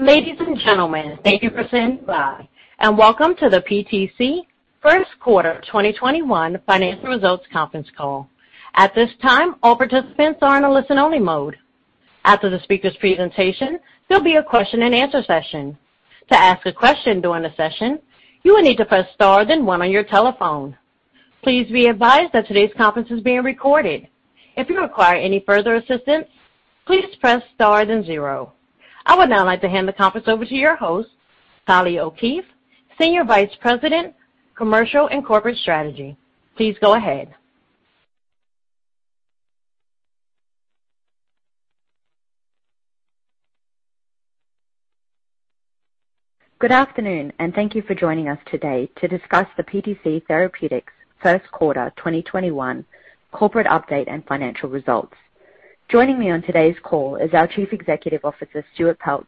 Ladies and gentlemen, thank you for standing by, and welcome to the PTC first quarter 2021 financial results conference call. At this time, all participants are in a listen-only mode. After the speakers' presentation, there will be a question and answer session. To ask a question during the session, you will need to press star then one on your telephone. Please be advised that today's conference is being recorded. If you require any further assistance, please press star then zero. I would now like to hand the conference over to your host, Kylie O'Keefe, Senior Vice President, Commercial and Corporate Strategy. Please go ahead. Good afternoon, and thank you for joining us today to discuss the PTC Therapeutics first quarter 2021 corporate update and financial results. Joining me on today's call is our Chief Executive Officer, Stuart Peltz,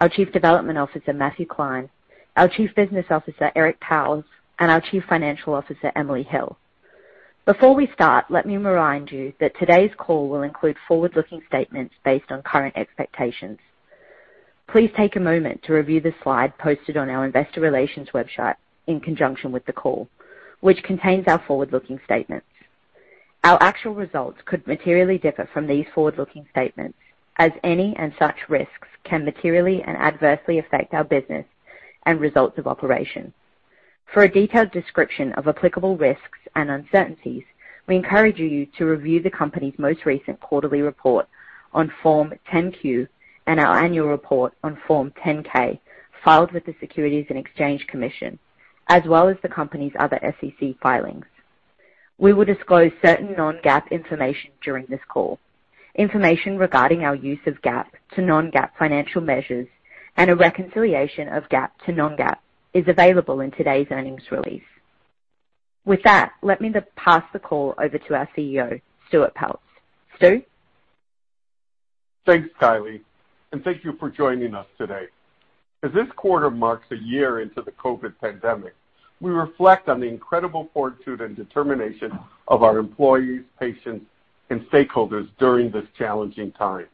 our Chief Development Officer, Matthew Klein, our Chief Business Officer, Eric Pauwels, and our Chief Financial Officer, Emily Hill. Before we start, let me remind you that today's call will include forward-looking statements based on current expectations. Please take a moment to review the slide posted on our investor relations website in conjunction with the call, which contains our forward-looking statements. Our actual results could materially differ from these forward-looking statements, as any and such risks can materially and adversely affect our business and results of operation. For a detailed description of applicable risks and uncertainties, we encourage you to review the company's most recent quarterly report on Form 10-Q and our annual report on Form 10-K filed with the Securities and Exchange Commission, as well as the company's other SEC filings. We will disclose certain non-GAAP information during this call. Information regarding our use of GAAP to non-GAAP financial measures and a reconciliation of GAAP to non-GAAP is available in today's earnings release. With that, let me pass the call over to our CEO, Stuart Peltz. Stu? Thanks, Kylie, and thank you for joining us today. As this quarter marks a year into the COVID pandemic, we reflect on the incredible fortitude and determination of our employees, patients, and stakeholders during this challenging time.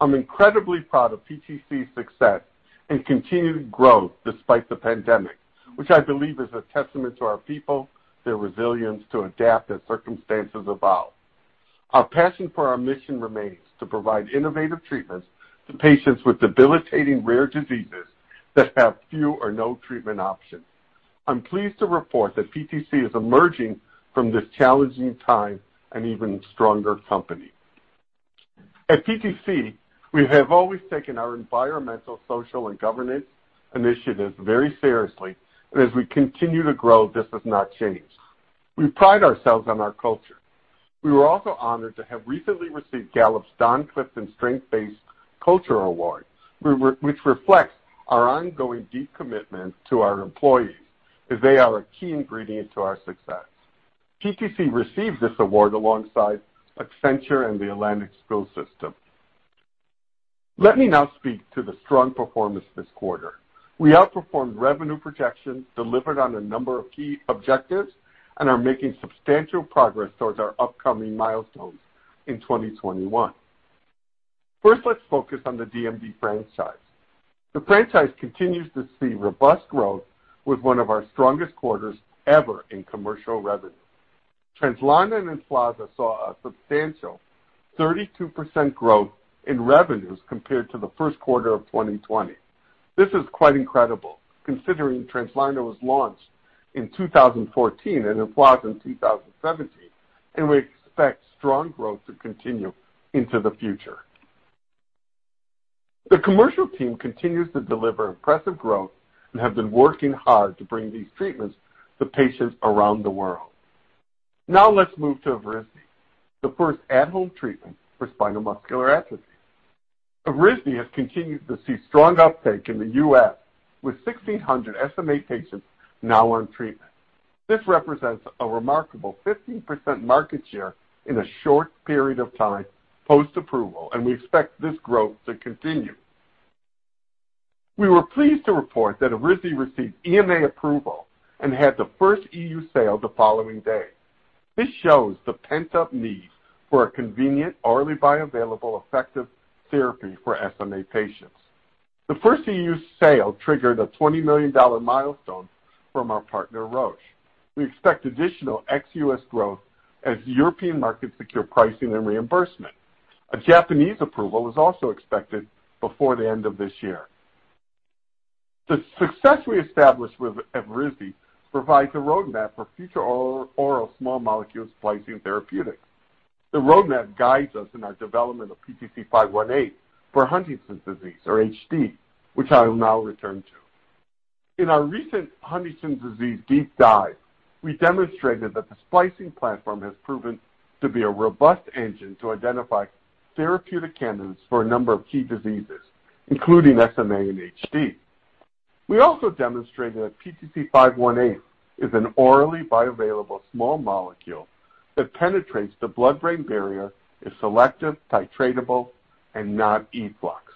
I'm incredibly proud of PTC's success and continued growth despite the pandemic, which I believe is a testament to our people, their resilience to adapt as circumstances evolve. Our passion for our mission remains to provide innovative treatments to patients with debilitating rare diseases that have few or no treatment options. I'm pleased to report that PTC is emerging from this challenging time an even stronger company. At PTC, we have always taken our environmental, social, and governance initiatives very seriously, and as we continue to grow, this has not changed. We pride ourselves on our culture. We were also honored to have recently received Gallup's Don Clifton Strengths-Based Culture Award, which reflects our ongoing deep commitment to our employees, as they are a key ingredient to our success. PTC received this award alongside Accenture and the Atlanta Schools System. Let me now speak to the strong performance this quarter. We outperformed revenue projections, delivered on a number of key objectives, and are making substantial progress towards our upcoming milestones in 2021. First, let's focus on the DMD franchise. The franchise continues to see robust growth with one of our strongest quarters ever in commercial revenue. Translarna and EMFLAZA saw a substantial 32% growth in revenues compared to the first quarter of 2020. This is quite incredible considering Translarna was launched in 2014 and EMFLAZA in 2017. We expect strong growth to continue into the future. The commercial team continues to deliver impressive growth and have been working hard to bring these treatments to patients around the world. Now let's move to Evrysdi, the first at-home treatment for spinal muscular atrophy. Evrysdi has continued to see strong uptake in the U.S., with 1,600 SMA patients now on treatment. This represents a remarkable 15% market share in a short period of time post-approval, and we expect this growth to continue. We were pleased to report that Evrysdi received EMA approval and had the first EU sale the following day. This shows the pent-up need for a convenient, orally bioavailable, effective therapy for SMA patients. The first EU sale triggered a $20 million milestone from our partner, Roche. We expect additional ex-U.S. growth as European markets secure pricing and reimbursement. A Japanese approval is also expected before the end of this year. The success we established with Evrysdi provides a roadmap for future oral small molecule splicing therapeutics. The roadmap guides us in our development of PTC518 for Huntington's disease, or HD, which I will now return to. In our recent Huntington's disease deep dive, we demonstrated that the splicing platform has proven to be a robust engine to identify therapeutic candidates for a number of key diseases, including SMA and HD. We also demonstrated that PTC518 is an orally bioavailable small molecule that penetrates the blood-brain barrier, is selective, titratable, and not effluxed.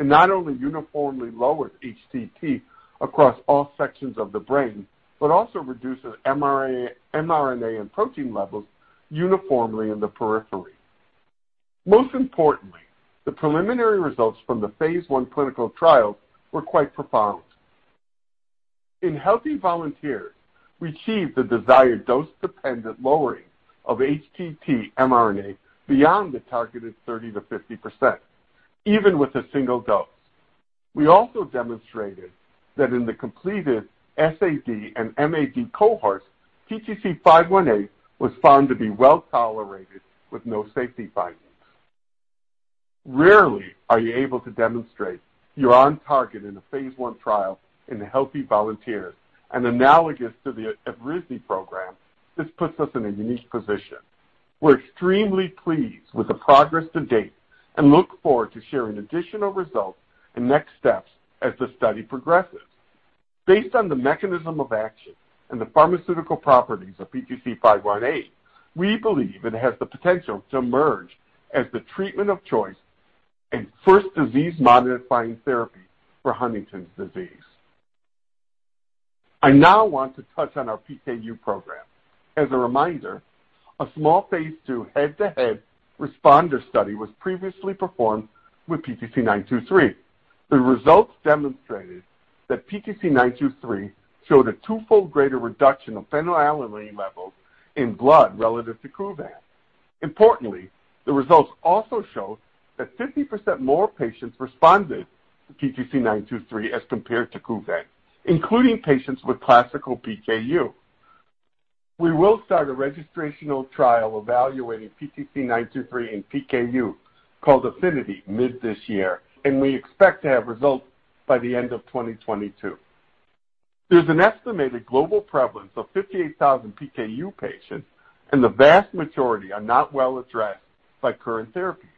Not only uniformly lowers HTT across all sections of the brain, but also reduces mRNA and protein levels uniformly in the periphery. Most importantly, the preliminary results from the phase I clinical trials were quite profound. In healthy volunteers, we achieved the desired dose-dependent lowering of HTT mRNA beyond the targeted 30%-50%, even with a single dose. We also demonstrated that in the completed SAD and MAD cohorts, PTC518 was found to be well-tolerated with no safety findings. Rarely are you able to demonstrate you're on target in a phase I trial in healthy volunteers. Analogous to the Evrysdi program, this puts us in a unique position. We're extremely pleased with the progress to date and look forward to sharing additional results and next steps as the study progresses. Based on the mechanism of action and the pharmaceutical properties of PTC518, we believe it has the potential to emerge as the treatment of choice and first disease-modifying therapy for Huntington's disease. I now want to touch on our PKU program. As a reminder, a small phase II head-to-head responder study was previously performed with PTC923. The results demonstrated that PTC923 showed a twofold greater reduction of phenylalanine levels in blood relative to KUVAN. Importantly, the results also showed that 50% more patients responded to PTC923 as compared to KUVAN, including patients with classical PKU. We will start a registrational trial evaluating PTC923 in PKU, called APHENITY, mid this year, and we expect to have results by the end of 2022. There's an estimated global prevalence of 58,000 PKU patients. The vast majority are not well addressed by current therapies.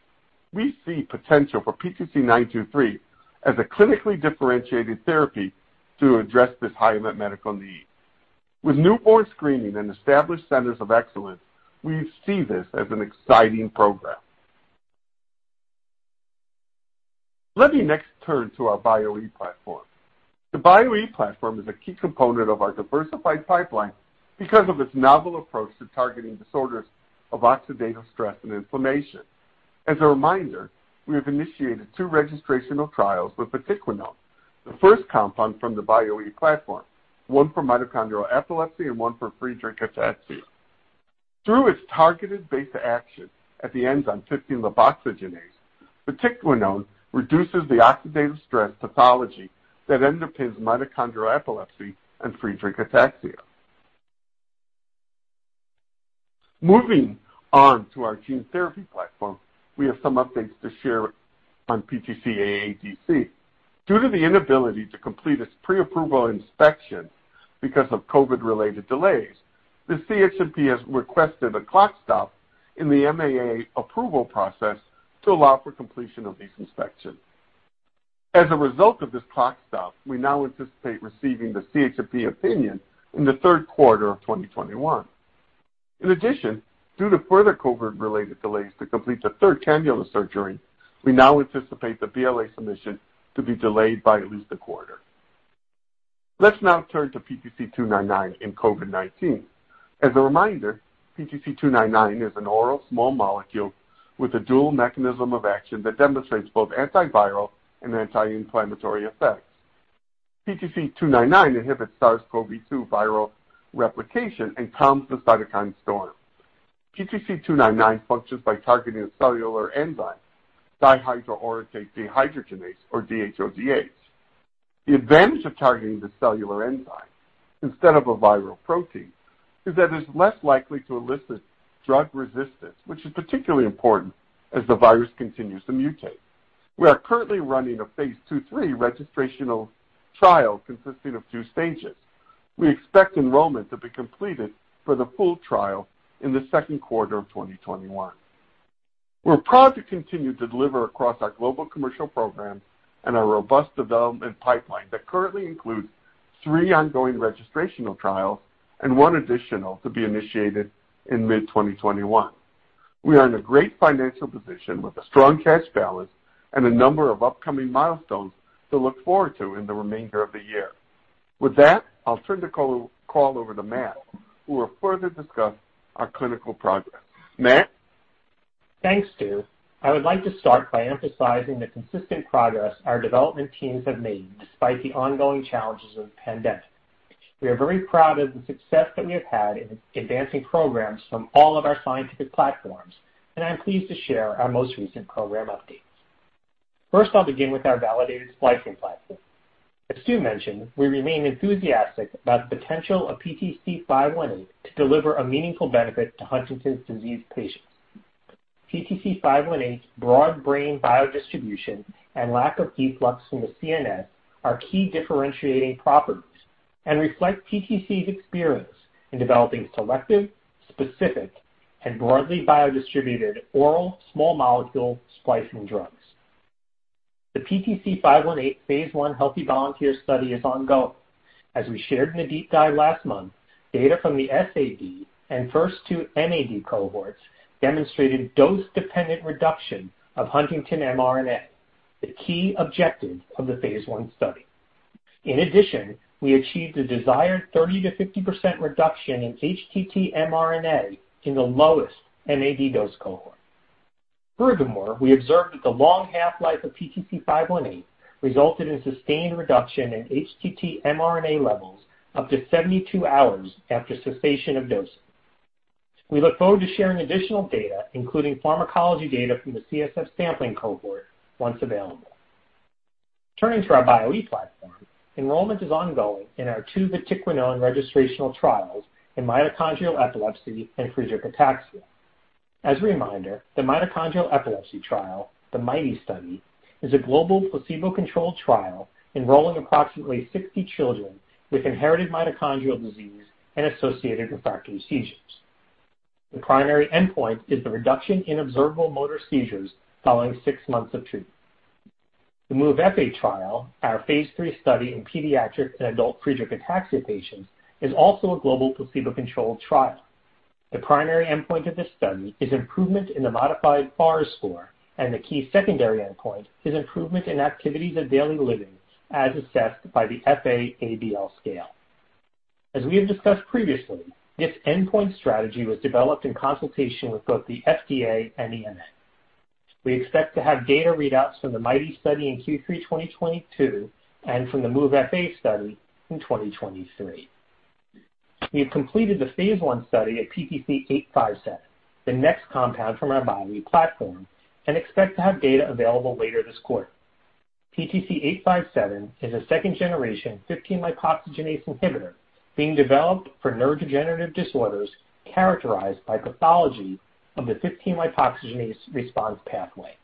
We see potential for PTC923 as a clinically differentiated therapy to address this high medical need. With newborn screening and established centers of excellence, we see this as an exciting program. Let me next turn to our Bio-e platform. The Bio-e platform is a key component of our diversified pipeline because of its novel approach to targeting disorders of oxidative stress and inflammation. As a reminder, we have initiated two registrational trials with vatiquinone, the first compound from the Bio-e platform, one for mitochondrial epilepsy and one for Friedreich ataxia. Through its targeted beta action at the enzyme 15-lipoxygenase, vatiquinone reduces the oxidative stress pathology that underpins mitochondrial epilepsy and Friedreich ataxia. Moving on to our gene therapy platform, we have some updates to share on PTC-AADC. Due to the inability to complete its pre-approval inspection because of COVID-related delays, the CHMP has requested a clock stop in the MAA approval process to allow for completion of these inspections. As a result of this clock stop, we now anticipate receiving the CHMP opinion in the third quarter of 2021. Due to further COVID-related delays to complete the third cannula surgery, we now anticipate the BLA submission to be delayed by at least a quarter. Let's now turn to PTC299 in COVID-19. As a reminder, PTC299 is an oral small molecule with a dual mechanism of action that demonstrates both antiviral and anti-inflammatory effects. PTC299 inhibits SARS-CoV-2 viral replication and calms the cytokine storm. PTC299 functions by targeting a cellular enzyme, dihydroorotate dehydrogenase, or DHODH. The advantage of targeting the cellular enzyme instead of a viral protein is that it's less likely to elicit drug resistance, which is particularly important as the virus continues to mutate. We are currently running a phase II/III registrational trial consisting of two stages. We expect enrollment to be completed for the full trial in the second quarter of 2021. We're proud to continue to deliver across our global commercial programs and our robust development pipeline that currently includes three ongoing registrational trials and one additional to be initiated in mid-2021. We are in a great financial position with a strong cash balance and a number of upcoming milestones to look forward to in the remainder of the year. With that, I'll turn the call over to Matt, who will further discuss our clinical progress. Matt? Thanks, Stu. I would like to start by emphasizing the consistent progress our development teams have made despite the ongoing challenges of the pandemic. We are very proud of the success that we have had in advancing programs from all of our scientific platforms, and I'm pleased to share our most recent program updates. I'll begin with our validated splicing platform. As Stu mentioned, we remain enthusiastic about the potential of PTC-518 to deliver a meaningful benefit to Huntington's disease patients. PTC-518's broad brain biodistribution and lack of efflux from the CNS are key differentiating properties and reflect PTC's experience in developing selective, specific, and broadly biodistributed oral small molecule splicing drugs. The PTC-518 phase I healthy volunteer study is ongoing. As we shared in the deep dive last month, data from the SAD and first two MAD cohorts demonstrated dose-dependent reduction of huntingtin mRNA, the key objective of the phase I study. We achieved a desired 30%-50% reduction in HTT mRNA in the lowest MAD dose cohort. Furthermore, we observed that the long half-life of PTC-518 resulted in sustained reduction in HTT mRNA levels up to 72 hours after cessation of dosing. We look forward to sharing additional data, including pharmacology data from the CSF sampling cohort, once available. Turning to our Bio-e platform, enrollment is ongoing in our two vatiquinone registrational trials in mitochondrial epilepsy and Friedreich ataxia. As a reminder, the mitochondrial epilepsy trial, the MIGHTY study, is a global placebo-controlled trial enrolling approximately 60 children with inherited mitochondrial disease and associated refractory seizures. The primary endpoint is the reduction in observable motor seizures following six months of treatment. The MOVE-FA trial, our phase III study in pediatric and adult Friedreich ataxia patients, is also a global placebo-controlled trial. The primary endpoint of this study is improvement in the modified FARS score and the key secondary endpoint is improvement in activities of daily living as assessed by the FA-ADL scale. As we have discussed previously, this endpoint strategy was developed in consultation with both the FDA and EMA. We expect to have data readouts from the MIGHTY study in Q3 2022 and from the MOVE-FA study in 2023. We have completed the phase I study at PTC-857, the next compound from our Bio-e platform, and expect to have data available later this quarter. PTC-857 is a second generation 15-lipoxygenase inhibitor being developed for neurodegenerative disorders characterized by pathology of the 15-lipoxygenase response pathway.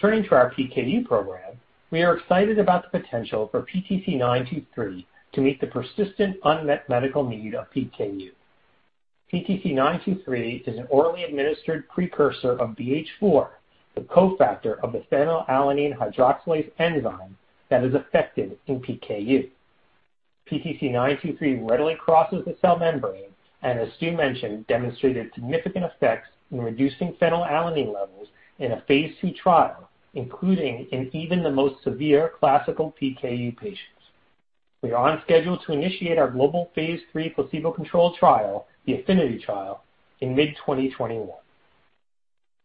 Turning to our PKU program, we are excited about the potential for PTC-923 to meet the persistent unmet medical need of PKU. PTC-923 is an orally administered precursor of BH4, the cofactor of the phenylalanine hydroxylase enzyme that is affected in PKU. PTC-923 readily crosses the cell membrane and, as Stu mentioned, demonstrated significant effects in reducing phenylalanine levels in a phase II trial, including in even the most severe classical PKU patients. We are on schedule to initiate our global phase III placebo-controlled trial, the APHENITY trial, in mid 2021.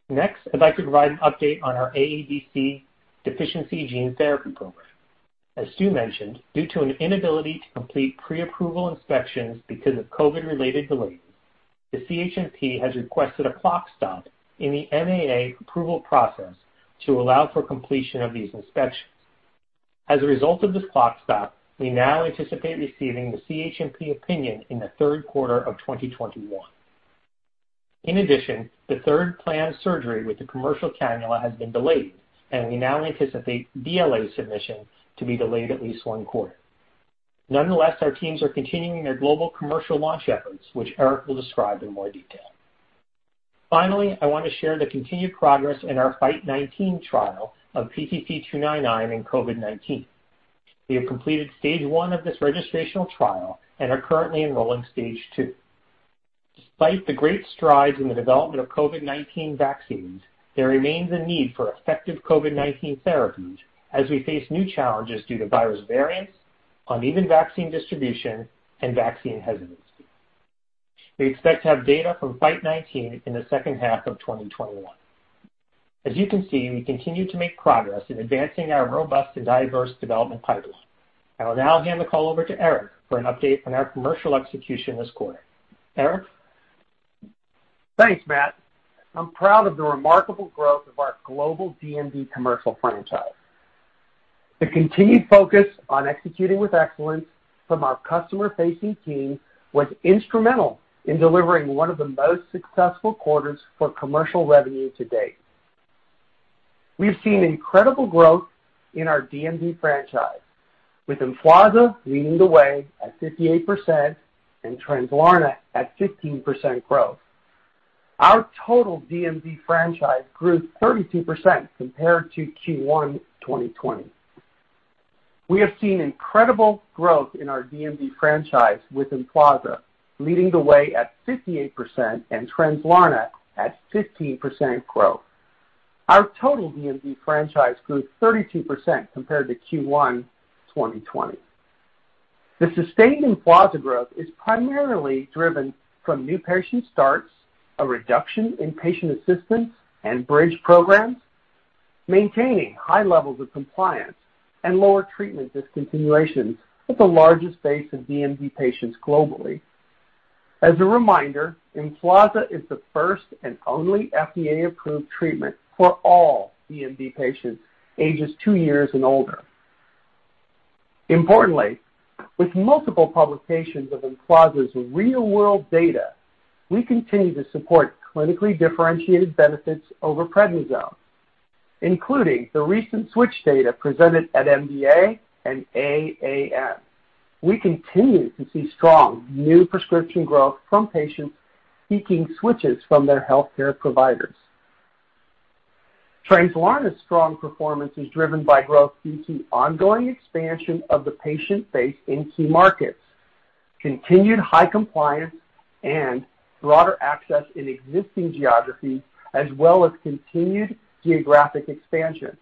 Next, I'd like to provide an update on our AADC deficiency gene therapy program. As Stu mentioned, due to an inability to complete pre-approval inspections because of COVID-related delays, the CHMP has requested a clock stop in the MAA approval process to allow for completion of these inspections. As a result of this clock stop, we now anticipate receiving the CHMP opinion in the third quarter of 2021. In addition, the third planned surgery with the commercial cannula has been delayed, and we now anticipate BLA submission to be delayed at least one quarter. Nonetheless, our teams are continuing their global commercial launch efforts, which Eric will describe in more detail. Finally, I want to share the continued progress in our FITE19 trial of PTC299 in COVID-19. We have completed stage one of this registrational trial and are currently enrolling stage two. Despite the great strides in the development of COVID-19 vaccines, there remains a need for effective COVID-19 therapies as we face new challenges due to virus variants, uneven vaccine distribution, and vaccine hesitancy. We expect to have data from FITE19 in the second half of 2021. As you can see, we continue to make progress in advancing our robust and diverse development pipeline. I will now hand the call over to Eric for an update on our commercial execution this quarter. Eric? Thanks, Matt. I'm proud of the remarkable growth of our global DMD commercial franchise. The continued focus on executing with excellence from our customer-facing team was instrumental in delivering one of the most successful quarters for commercial revenue to date. We've seen incredible growth in our DMD franchise, with EMFLAZA leading the way at 58% and Translarna at 15% growth. Our total DMD franchise grew 32% compared to Q1 2020. We have seen incredible growth in our DMD franchise with EMFLAZA leading the way at 58% and Translarna at 15% growth. Our total DMD franchise grew 32% compared to Q1 2020. The sustained EMFLAZA growth is primarily driven from new patient starts, a reduction in patient assistance and bridge programs, maintaining high levels of compliance, and lower treatment discontinuations with the largest base of DMD patients globally. As a reminder, EMFLAZA is the first and only FDA-approved treatment for all DMD patients ages two years and older. Importantly, with multiple publications of EMFLAZA's real-world data, we continue to support clinically differentiated benefits over prednisone, including the recent switch data presented at MDA and AAN. We continue to see strong new prescription growth from patients seeking switches from their healthcare providers. Translarna's strong performance is driven by growth due to ongoing expansion of the patient base in key markets, continued high compliance and broader access in existing geographies as well as continued geographic expansion.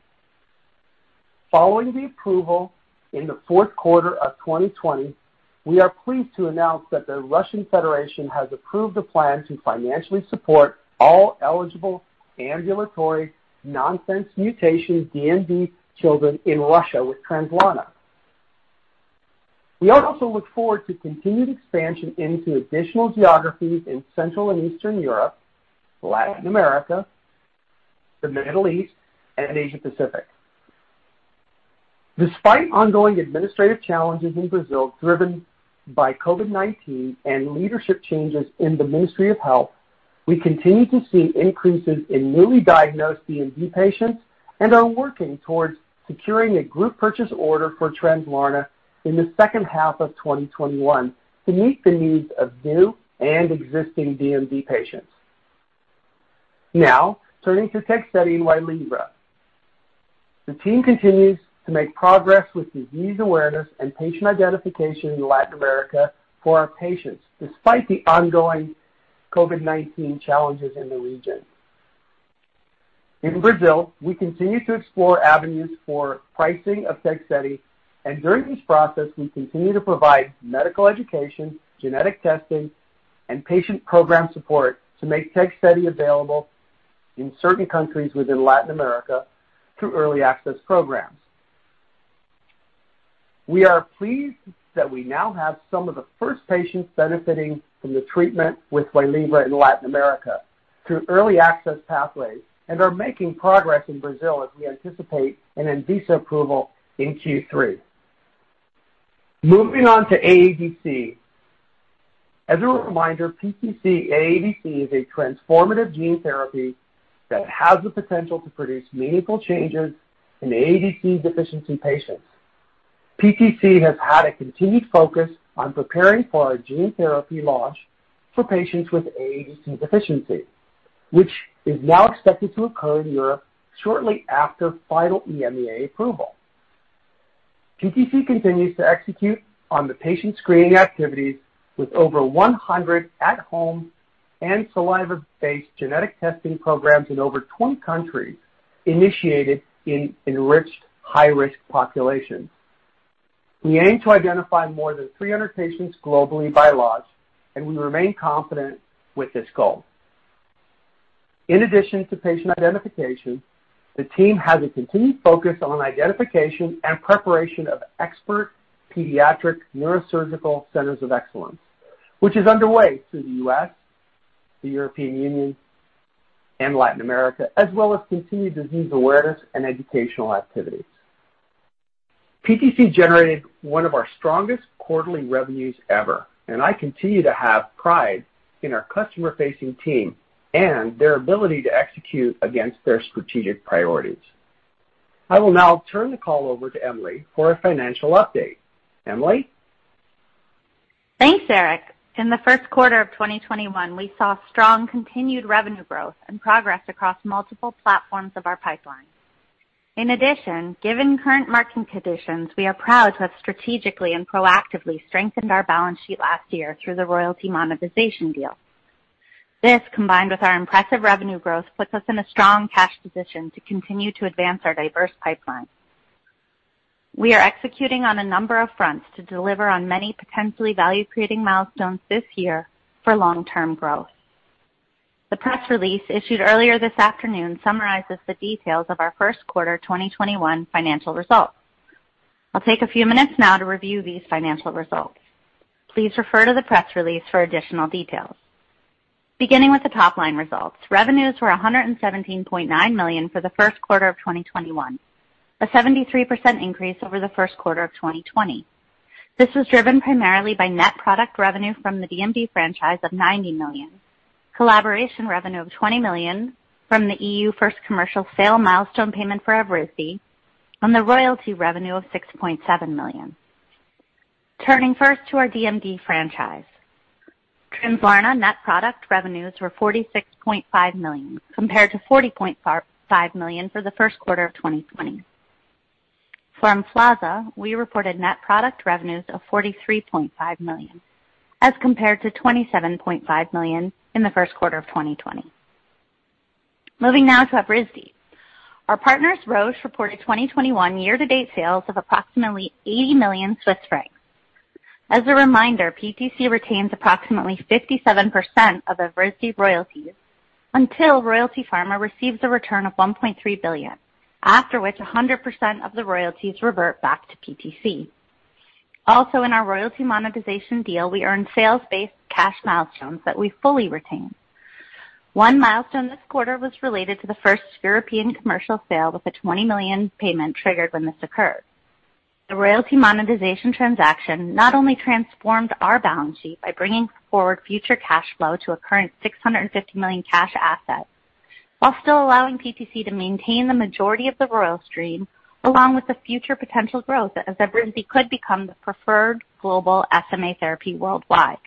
Following the approval in the fourth quarter of 2020, we are pleased to announce that the Russian Federation has approved a plan to financially support all eligible ambulatory nonsense mutation DMD children in Russia with Translarna. We also look forward to continued expansion into additional geographies in Central and Eastern Europe, Latin America, the Middle East, and Asia Pacific. Despite ongoing administrative challenges in Brazil driven by COVID-19 and leadership changes in the Ministry of Health, we continue to see increases in newly diagnosed DMD patients and are working towards securing a group purchase order for Translarna in the second half of 2021 to meet the needs of new and existing DMD patients. Now turning to Tegsedi and WAYLIVRA. The team continues to make progress with disease awareness and patient identification in Latin America for our patients, despite the ongoing COVID-19 challenges in the region. In Brazil, we continue to explore avenues for pricing of Tegsedi and during this process, we continue to provide medical education, genetic testing and patient program support to make Tegsedi available in certain countries within Latin America through early access programs. We are pleased that we now have some of the first patients benefiting from the treatment with WAYLIVRA in Latin America through early access pathways and are making progress in Brazil as we anticipate an ANVISA approval in Q3. Moving on to AADC. As a reminder, PTC-AADC is a transformative gene therapy that has the potential to produce meaningful changes in AADC deficiency patients. PTC has had a continued focus on preparing for our gene therapy launch for patients with AADC deficiency, which is now expected to occur in Europe shortly after final EMA approval. PTC continues to execute on the patient screening activities with over 100 at-home and saliva-based genetic testing programs in over 20 countries initiated in enriched high-risk populations. We aim to identify more than 300 patients globally by launch. We remain confident with this goal. In addition to patient identification, the team has a continued focus on identification and preparation of expert pediatric neurosurgical centers of excellence, which is underway through the U.S., the European Union, and Latin America, as well as continued disease awareness and educational activities. PTC generated one of our strongest quarterly revenues ever, and I continue to have pride in our customer-facing team and their ability to execute against their strategic priorities. I will now turn the call over to Emily for a financial update. Emily? Thanks, Eric. In the first quarter of 2021, we saw strong continued revenue growth and progress across multiple platforms of our pipeline. In addition, given current market conditions, we are proud to have strategically and proactively strengthened our balance sheet last year through the royalty monetization deal. This, combined with our impressive revenue growth, puts us in a strong cash position to continue to advance our diverse pipeline. We are executing on a number of fronts to deliver on many potentially value-creating milestones this year for long-term growth. The press release issued earlier this afternoon summarizes the details of our first quarter 2021 financial results. I'll take a few minutes now to review these financial results. Please refer to the press release for additional details. Beginning with the top-line results, revenues were $117.9 million for the first quarter of 2021, a 73% increase over the first quarter of 2020. This was driven primarily by net product revenue from the DMD franchise of $90 million, collaboration revenue of $20 million from the EU first commercial sale milestone payment for Evrysdi, and royalty revenue of $6.7 million. Turning first to our DMD franchise. Translarna net product revenues were $46.5 million, compared to $40.5 million for the first quarter of 2020. For EMFLAZA, we reported net product revenues of $43.5 million, as compared to $27.5 million in the first quarter of 2020. Moving now to Evrysdi. Our partners, Roche, reported 2021 year-to-date sales of approximately 80 million Swiss francs. As a reminder, PTC retains approximately 57% of Evrysdi royalties until Royalty Pharma receives a return of $1.3 billion, after which 100% of the royalties revert back to PTC. In our royalty monetization deal, we earn sales-based cash milestones that we fully retain. One milestone this quarter was related to the first European commercial sale, with a $20 million payment triggered when this occurred. The royalty monetization transaction not only transformed our balance sheet by bringing forward future cash flow to a current $650 million cash asset while still allowing PTC to maintain the majority of the royalty stream, along with the future potential growth as Evrysdi could become the preferred global SMA therapy worldwide.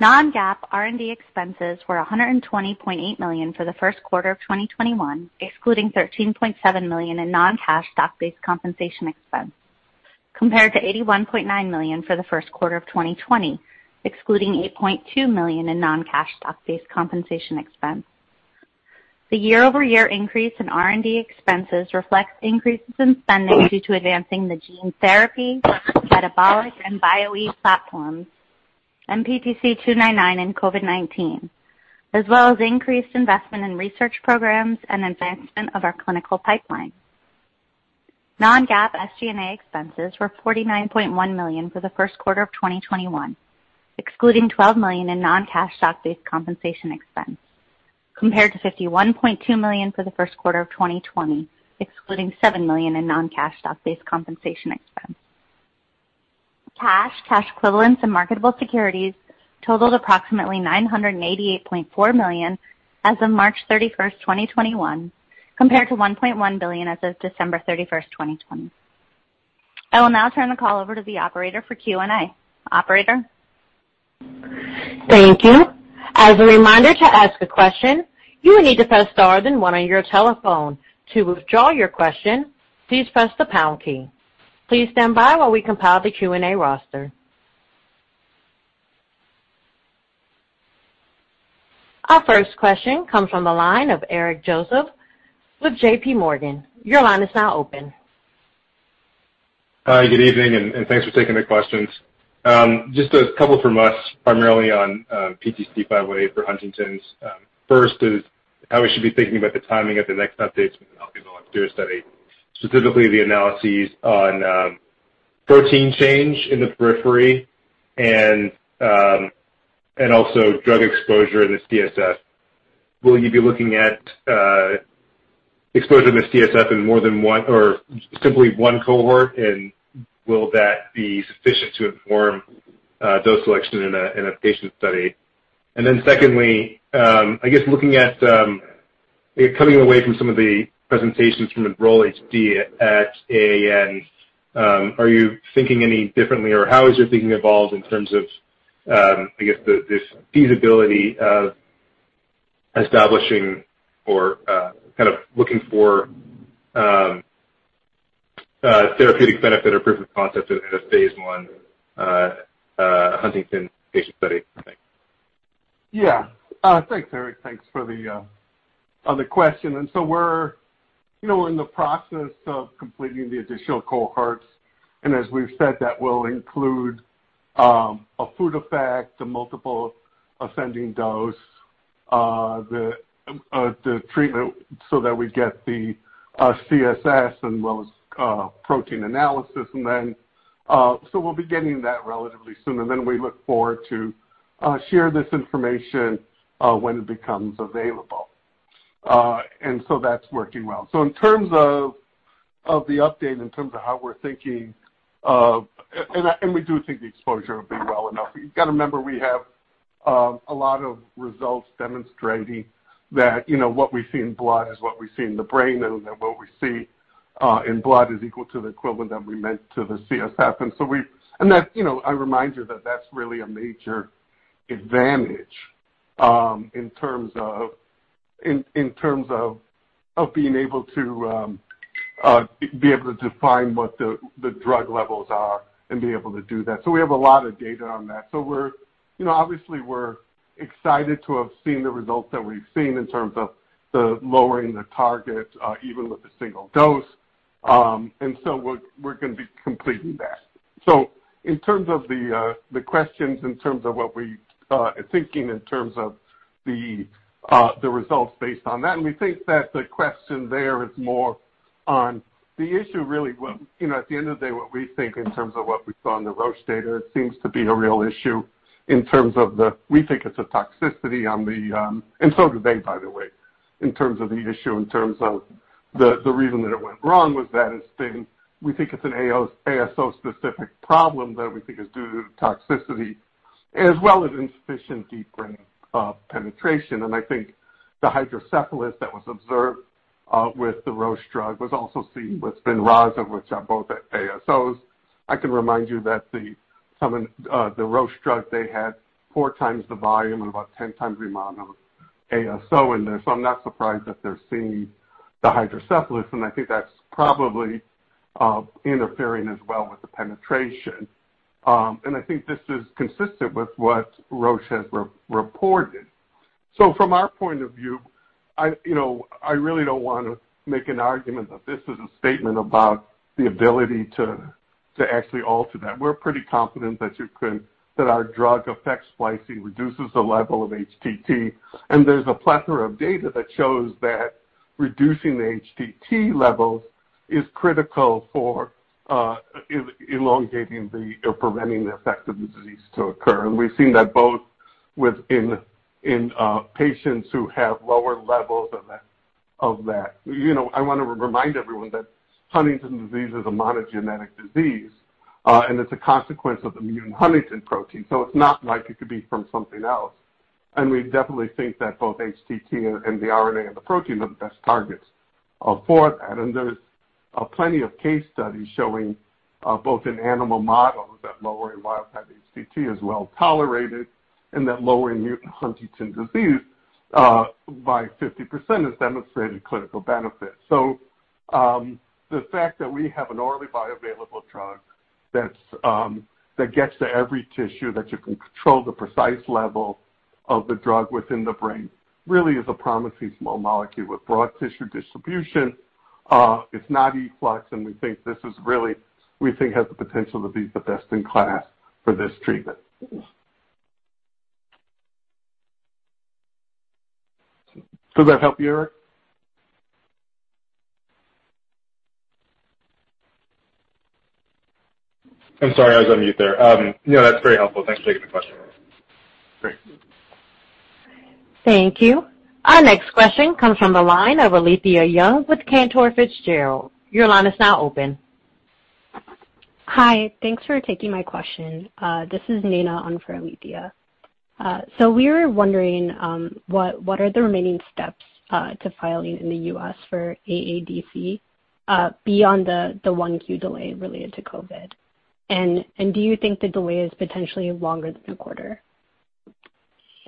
Non-GAAP R&D expenses were $120.8 million for the first quarter of 2021, excluding $13.7 million in non-cash stock-based compensation expense, compared to $81.9 million for the first quarter of 2020, excluding $8.2 million in non-cash stock-based compensation expense. The year-over-year increase in R&D expenses reflects increases in spending due to advancing the gene therapy, metabolic, and Bio-e platform, PTC299, and COVID-19, as well as increased investment in research programs and advancement of our clinical pipeline. Non-GAAP SG&A expenses were $49.1 million for the first quarter of 2021, excluding $12 million in non-cash stock-based compensation expense, compared to $51.2 million for the first quarter of 2020, excluding $7 million in non-cash stock-based compensation expense. Cash, cash equivalents, and marketable securities totaled approximately $988.4 million as of March 31st, 2021, compared to $1.1 billion as of December 31st, 2020. I will now turn the call over to the operator for Q and A. Operator? Thank you. As a reminder to ask a question, you will need to press star then one on your telephone. To withdraw your question, please press the pound key. Please stand by while we compile the Q and A roster. Our first question comes from the line of Eric Joseph with JPMorgan. Your line is now open. Hi, good evening, and thanks for taking the questions. Just a couple from us, primarily on PTC518 for Huntington's. First is how we should be thinking about the timing of the next updates with the healthy volunteer study, specifically the analyses on protein change in the periphery and also drug exposure in the CSF. Will you be looking at exposure in the CSF in more than one or simply one cohort, and will that be sufficient to inform dose selection in a patient study? Then secondly, I guess looking at coming away from some of the presentations from ENROLL-HD at AAN, are you thinking any differently, or how has your thinking evolved in terms of, I guess, this feasibility of establishing or looking for therapeutic benefit or proof of concept in a phase I Huntington's patient study? Thanks. Yeah. Thanks, Eric. Thanks for the question. We're in the process of completing the additional cohorts, and as we've said, that will include a food effect, a multiple ascending dose, the treatment so that we get the CSF and those protein analysis. We'll be getting that relatively soon, and then we look forward to share this information when it becomes available. That's working well. In terms of the update, in terms of how we're thinking, we do think the exposure will be well enough. You got to remember, we have a lot of results demonstrating that what we see in blood is what we see in the brain, and that what we see in blood is equal to the equivalent that we meant to the CSF. I remind you that that's really a major advantage in terms of being able to define what the drug levels are and be able to do that. We have a lot of data on that. Obviously, we're excited to have seen the results that we've seen in terms of the lowering the target, even with a single dose. We're going to be completing that. In terms of the questions in terms of what we are thinking in terms of the results based on that, and we think that the question there is more on the issue, really, at the end of the day, what we think in terms of what we saw in the Roche data, it seems to be a real issue in terms of the, we think it's a toxicity and so do they, by the way, in terms of the issue, in terms of the reason that it went wrong was that it's been, we think it's an ASO-specific problem that we think is due to toxicity as well as insufficient deep brain penetration. I think the hydrocephalus that was observed with the Roche drug was also seen with SPINRAZA, which are both ASOs. I can remind you that the Roche drug, they had 4x the volume and about 10x the amount of ASO in there. I'm not surprised that they're seeing the hydrocephalus, and I think that's probably interfering as well with the penetration. I think this is consistent with what Roche has reported. From our point of view, I really don't want to make an argument that this is a statement about the ability to actually alter that. We're pretty confident that our drug affects splicing, reduces the level of HTT, and there's a plethora of data that shows that reducing the HTT levels is critical for elongating the or preventing the effect of the disease to occur. We've seen that both in patients who have lower levels of that. I want to remind everyone that Huntington's disease is a monogenetic disease. It's a consequence of the mutant huntingtin protein. It's not like it could be from something else. We definitely think that both HTT and the RNA and the protein are the best targets for it. There's plenty of case studies showing, both in animal models, that lowering wild type HTT is well-tolerated and that lowering mutant Huntington's disease by 50% has demonstrated clinical benefit. The fact that we have an orally bioavailable drug that gets to every tissue, that you can control the precise level of the drug within the brain really is a promising small molecule with broad tissue distribution. It's not efflux, and we think has the potential to be the best in class for this treatment. Does that help you, Eric? I'm sorry, I was on mute there. No, that's very helpful. Thanks for taking the question. Great. Thank you. Our next question comes from the line of Alethia Young with Cantor Fitzgerald. Your line is now open. Hi. Thanks for taking my question. This is Naina on for Alethia. We were wondering what are the remaining steps to filing in the U.S. for AADC beyond the 1Q delay related to COVID? Do you think the delay is potentially longer than a quarter?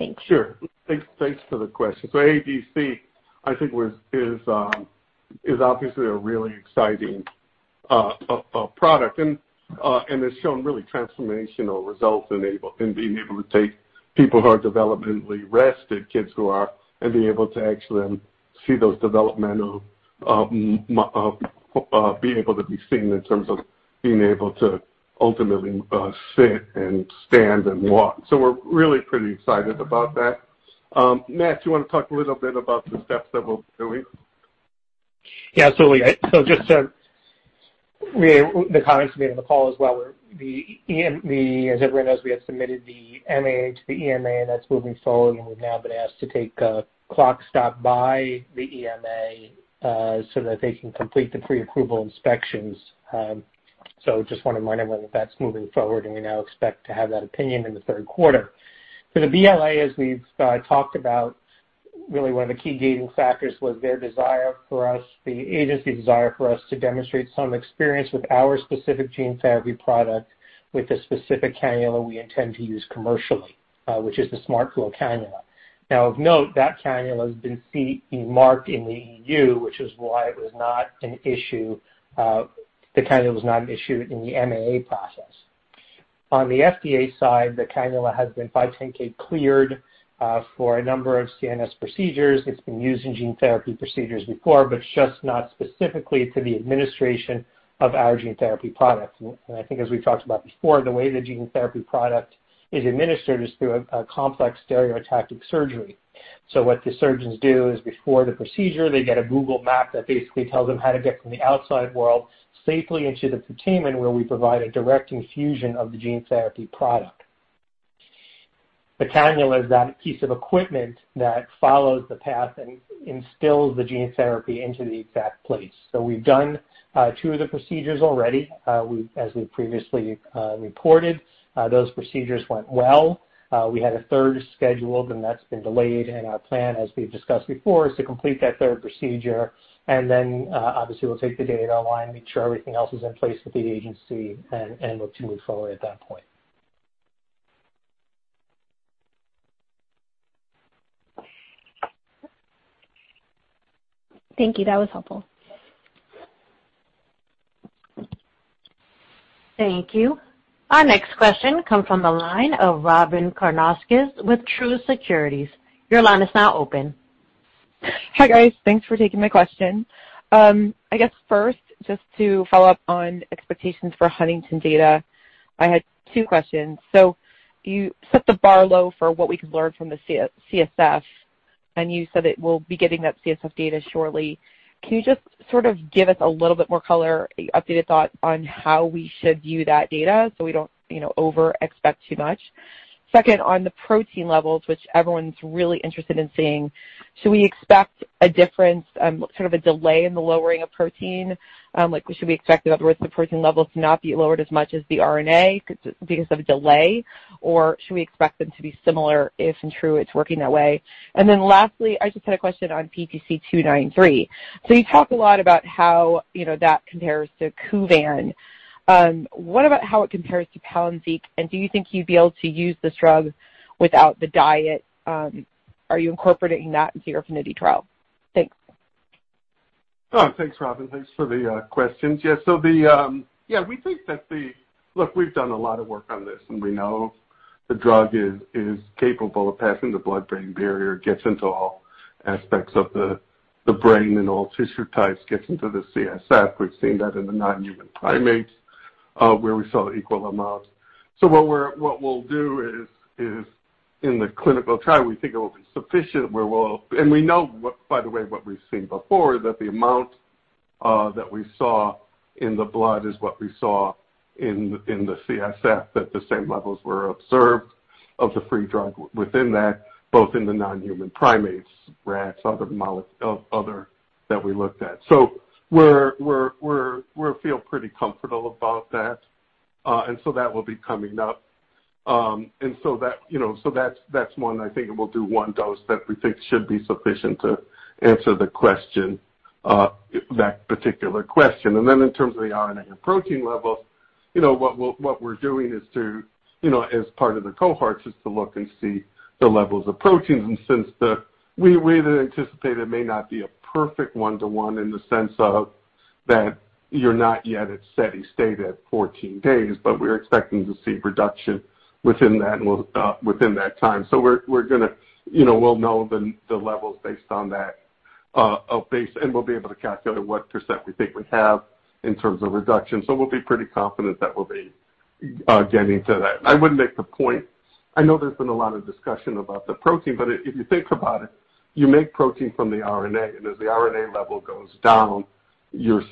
Thanks. Sure. Thanks for the question. AADC, I think is obviously a really exciting product, and has shown really transformational results in being able to take people who are developmentally arrested, kids who are, and being able to actually be able to be seen in terms of being able to ultimately sit and stand and walk. We're really pretty excited about that. Matt, do you want to talk a little bit about the steps that we're doing? Yeah, absolutely. Just to the comments made on the call as well, as everyone knows, we had submitted the MAA to the EMA, and that's moving forward, and we've now been asked to take a clock stop by the EMA, so that they can complete the pre-approval inspections. Just want to remind everyone that that's moving forward, and we now expect to have that opinion in the third quarter. For the BLA, as we've talked about, really one of the key gating factors was their desire for us, the agency desire for us to demonstrate some experience with our specific gene therapy product with the specific cannula we intend to use commercially, which is the SmartFlow cannula. Of note, that cannula has been CE marked in the EU, which is why the cannula was not an issue in the MAA process. On the FDA side, the cannula has been 510(k) cleared for a number of CNS procedures. It's been used in gene therapy procedures before, just not specifically to the administration of our gene therapy product. I think as we've talked about before, the way the gene therapy product is administered is through a complex stereotactic surgery. What the surgeons do is before the procedure, they get a Google map that basically tells them how to get from the outside world safely into the putamen, where we provide a direct infusion of the gene therapy product. The cannula is that piece of equipment that follows the path and instills the gene therapy into the exact place. We've done two of the procedures already, as we've previously reported. Those procedures went well. We had a third scheduled, and that's been delayed, and our plan, as we've discussed before, is to complete that third procedure and then, obviously we'll take the data, want to make sure everything else is in place with the agency and look to move forward at that point. Thank you. That was helpful. Thank you. Our next question comes from the line of Robyn Karnauskas with Truist Securities. Your line is now open. Hi. Thanks for taking my question. I guess first, just to follow up on expectations for Huntington data, I had two questions. You set the bar low for what we could learn from the CSF, and you said that we'll be getting that CSF data shortly. Can you just sort of give us a little bit more color, updated thought on how we should view that data so we don't over expect too much? Second, on the protein levels, which everyone's really interested in seeing, should we expect a difference, sort of a delay in the lowering of protein? Should we expect that the protein levels not be lowered as much as the RNA because of a delay, or should we expect them to be similar if in true it's working that way? Lastly, I just had a question on PTC-923. You talk a lot about how that compares to KUVAN. What about how it compares to PALYNZIQ, and do you think you'd be able to use this drug without the diet? Are you incorporating that into your APHENITY trial? Thanks. Oh, thanks, Robyn. Thanks for the questions. Look, we've done a lot of work on this, and we know the drug is capable of passing the blood-brain barrier, gets into all aspects of the brain and all tissue types, gets into the CSF. We've seen that in the non-human primates, where we saw equal amounts. What we'll do is in the clinical trial, we think it will be sufficient where we know by the way, what we've seen before, that the amount that we saw in the blood is what we saw in the CSF, that the same levels were observed of the free drug within that, both in the non-human primates, rats, other that we looked at. We feel pretty comfortable about that. That will be coming up. That's one I think we'll do one dose that we think should be sufficient to answer that particular question. Then in terms of the RNA and protein levels, what we're doing as part of the cohorts is to look and see the levels of proteins. Since we either anticipate it may not be a perfect one-to-one in the sense of that you're not yet at steady state at 14 days, but we're expecting to see reduction within that time. We'll know the levels based on that, and we'll be able to calculate what percent we think we have in terms of reduction. We'll be pretty confident that we'll be getting to that. I would make the point, I know there's been a lot of discussion about the protein, but if you think about it, you make protein from the RNA, and as the RNA level goes down, it's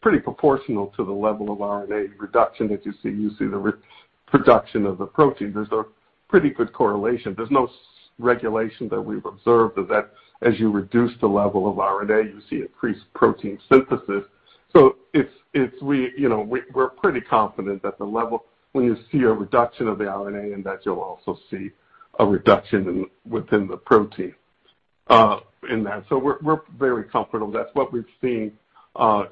pretty proportional to the level of RNA reduction that you see. You see the reduction of the protein. There's a pretty good correlation. There's no regulation that we've observed that as you reduce the level of RNA, you see increased protein synthesis. We're pretty confident that the level, when you see a reduction of the RNA, in that you'll also see a reduction within the protein in that. We're very comfortable. That's what we've seen throughout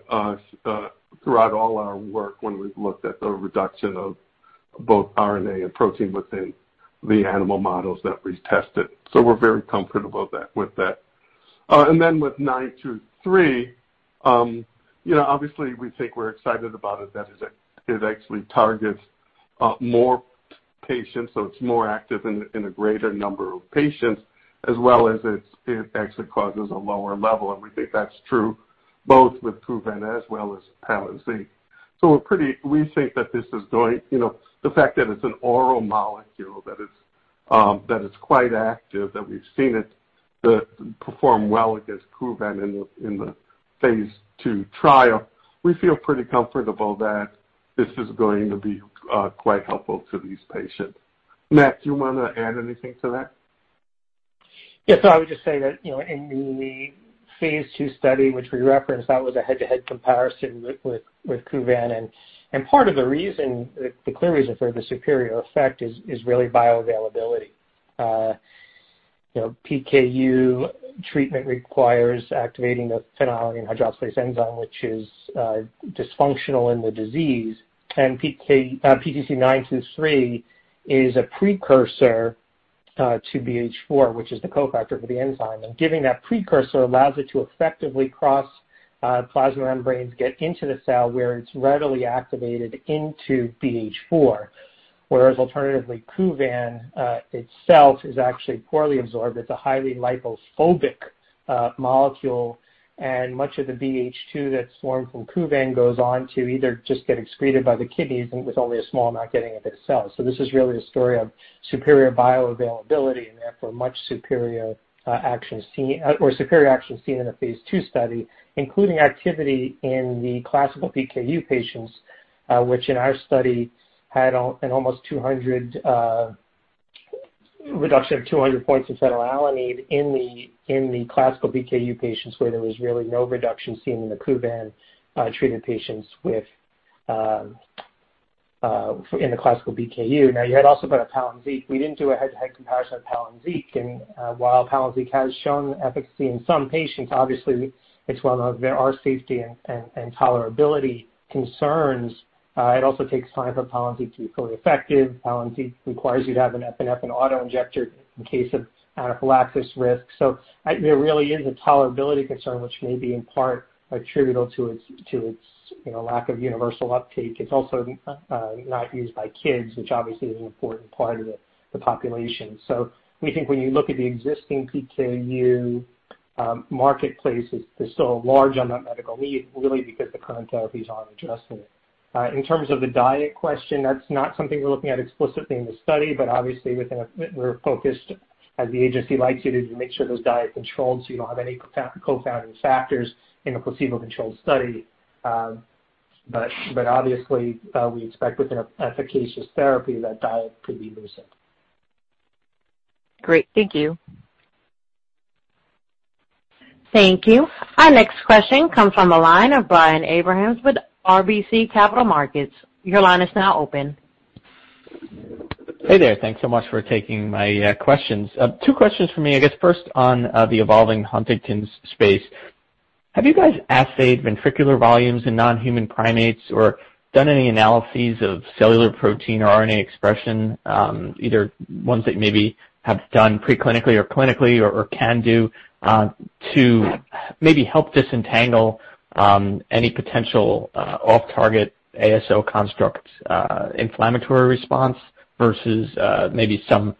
all our work when we've looked at the reduction of both RNA and protein within the animal models that we tested. We're very comfortable with that. With 923, obviously we think we're excited about it, that it actually targets more patients, so it's more active in a greater number of patients as well as it actually causes a lower level, and we think that's true both with KUVAN as well as PALYNZIQ. We think that the fact that it's an oral molecule, that it's quite active, that we've seen it perform well against KUVAN in the phase II trial, we feel pretty comfortable that this is going to be quite helpful to these patients. Matt, do you want to add anything to that? Yeah. I would just say that in the phase II study, which we referenced, that was a head-to-head comparison with KUVAN. Part of the reason, the clear reason for the superior effect is really bioavailability. PKU treatment requires activating the phenylalanine hydroxylase enzyme, which is dysfunctional in the disease. PTC-923 is a precursor to BH4, which is the cofactor for the enzyme. Giving that precursor allows it to effectively cross plasma membranes, get into the cell where it's readily activated into BH4. Whereas alternatively, KUVAN itself is actually poorly absorbed. It's a highly lipophobic molecule, and much of the BH2 that's formed from KUVAN goes on to either just get excreted by the kidneys and with only a small amount getting into the cell. This is really a story of superior bioavailability and therefore much superior action seen in a phase II study, including activity in the classical PKU patients, which in our study had a reduction of 200 points of phenylalanine in the classical PKU patients where there was really no reduction seen in the KUVAN-treated patients in the classical PKU. You had also brought up PALYNZIQ. We didn't do a head-to-head comparison of PALYNZIQ. While PALYNZIQ has shown efficacy in some patients, obviously it's well known there are safety and tolerability concerns. It also takes time for PALYNZIQ to be fully effective. PALYNZIQ requires you to have an epinephrine auto-injector in case of anaphylaxis risk. There really is a tolerability concern, which may be in part attributable to its lack of universal uptake. It's also not used by kids, which obviously is an important part of the population. We think when you look at the existing PKU marketplace, there's still a large unmet medical need, really because the current therapies aren't addressing it. In terms of the diet question, that's not something we're looking at explicitly in the study. Obviously, we're focused, as the agency likes you to make sure those diet controlled so you don't have any confounding factors in a placebo-controlled study. Obviously, we expect with an efficacious therapy that diet could be loosened. Great. Thank you. Thank you. Our next question comes from the line of Brian Abrahams with RBC Capital Markets. Your line is now open. Hey there. Thanks so much for taking my questions. Two questions from me. I guess first on the evolving Huntington's space. Have you guys assayed ventricular volumes in non-human primates or done any analyses of cellular protein or RNA expression, either ones that maybe have done pre-clinically or clinically or can do to maybe help disentangle any potential off-target ASO construct inflammatory response versus maybe some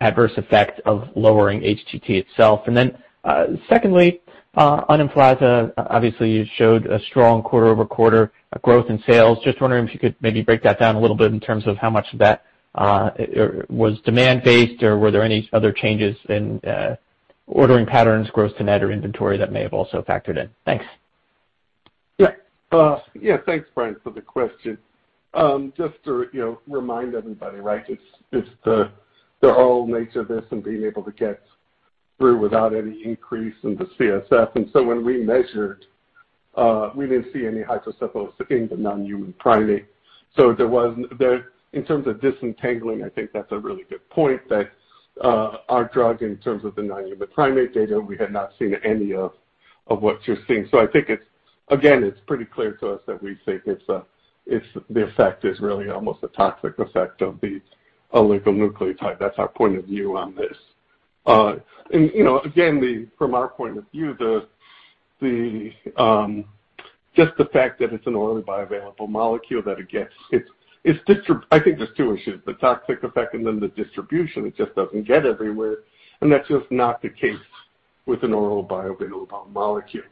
adverse effect of lowering HTT itself? Secondly, EMFLAZA, obviously you showed a strong quarter-over-quarter growth in sales. Just wondering if you could maybe break that down a little bit in terms of how much of that was demand-based, or were there any other changes in ordering patterns, gross net or inventory that may have also factored in. Thanks. Thanks, Brian, for the question. Just to remind everybody, right, it's the whole nature of this and being able to get through without any increase in the CSF. When we measured, we didn't see any hydrocephaly in the non-human primate. In terms of disentangling, I think that's a really good point, that our drug, in terms of the non-human primate data, we had not seen any of what you're seeing. I think, again, it's pretty clear to us that we think the effect is really almost a toxic effect of the oligonucleotide. That's our point of view on this. From our point of view, just the fact that it's an oral bioavailable molecule, I think there's two issues, the toxic effect and then the distribution. It just doesn't get everywhere, and that's just not the case with an oral bioavailable molecule.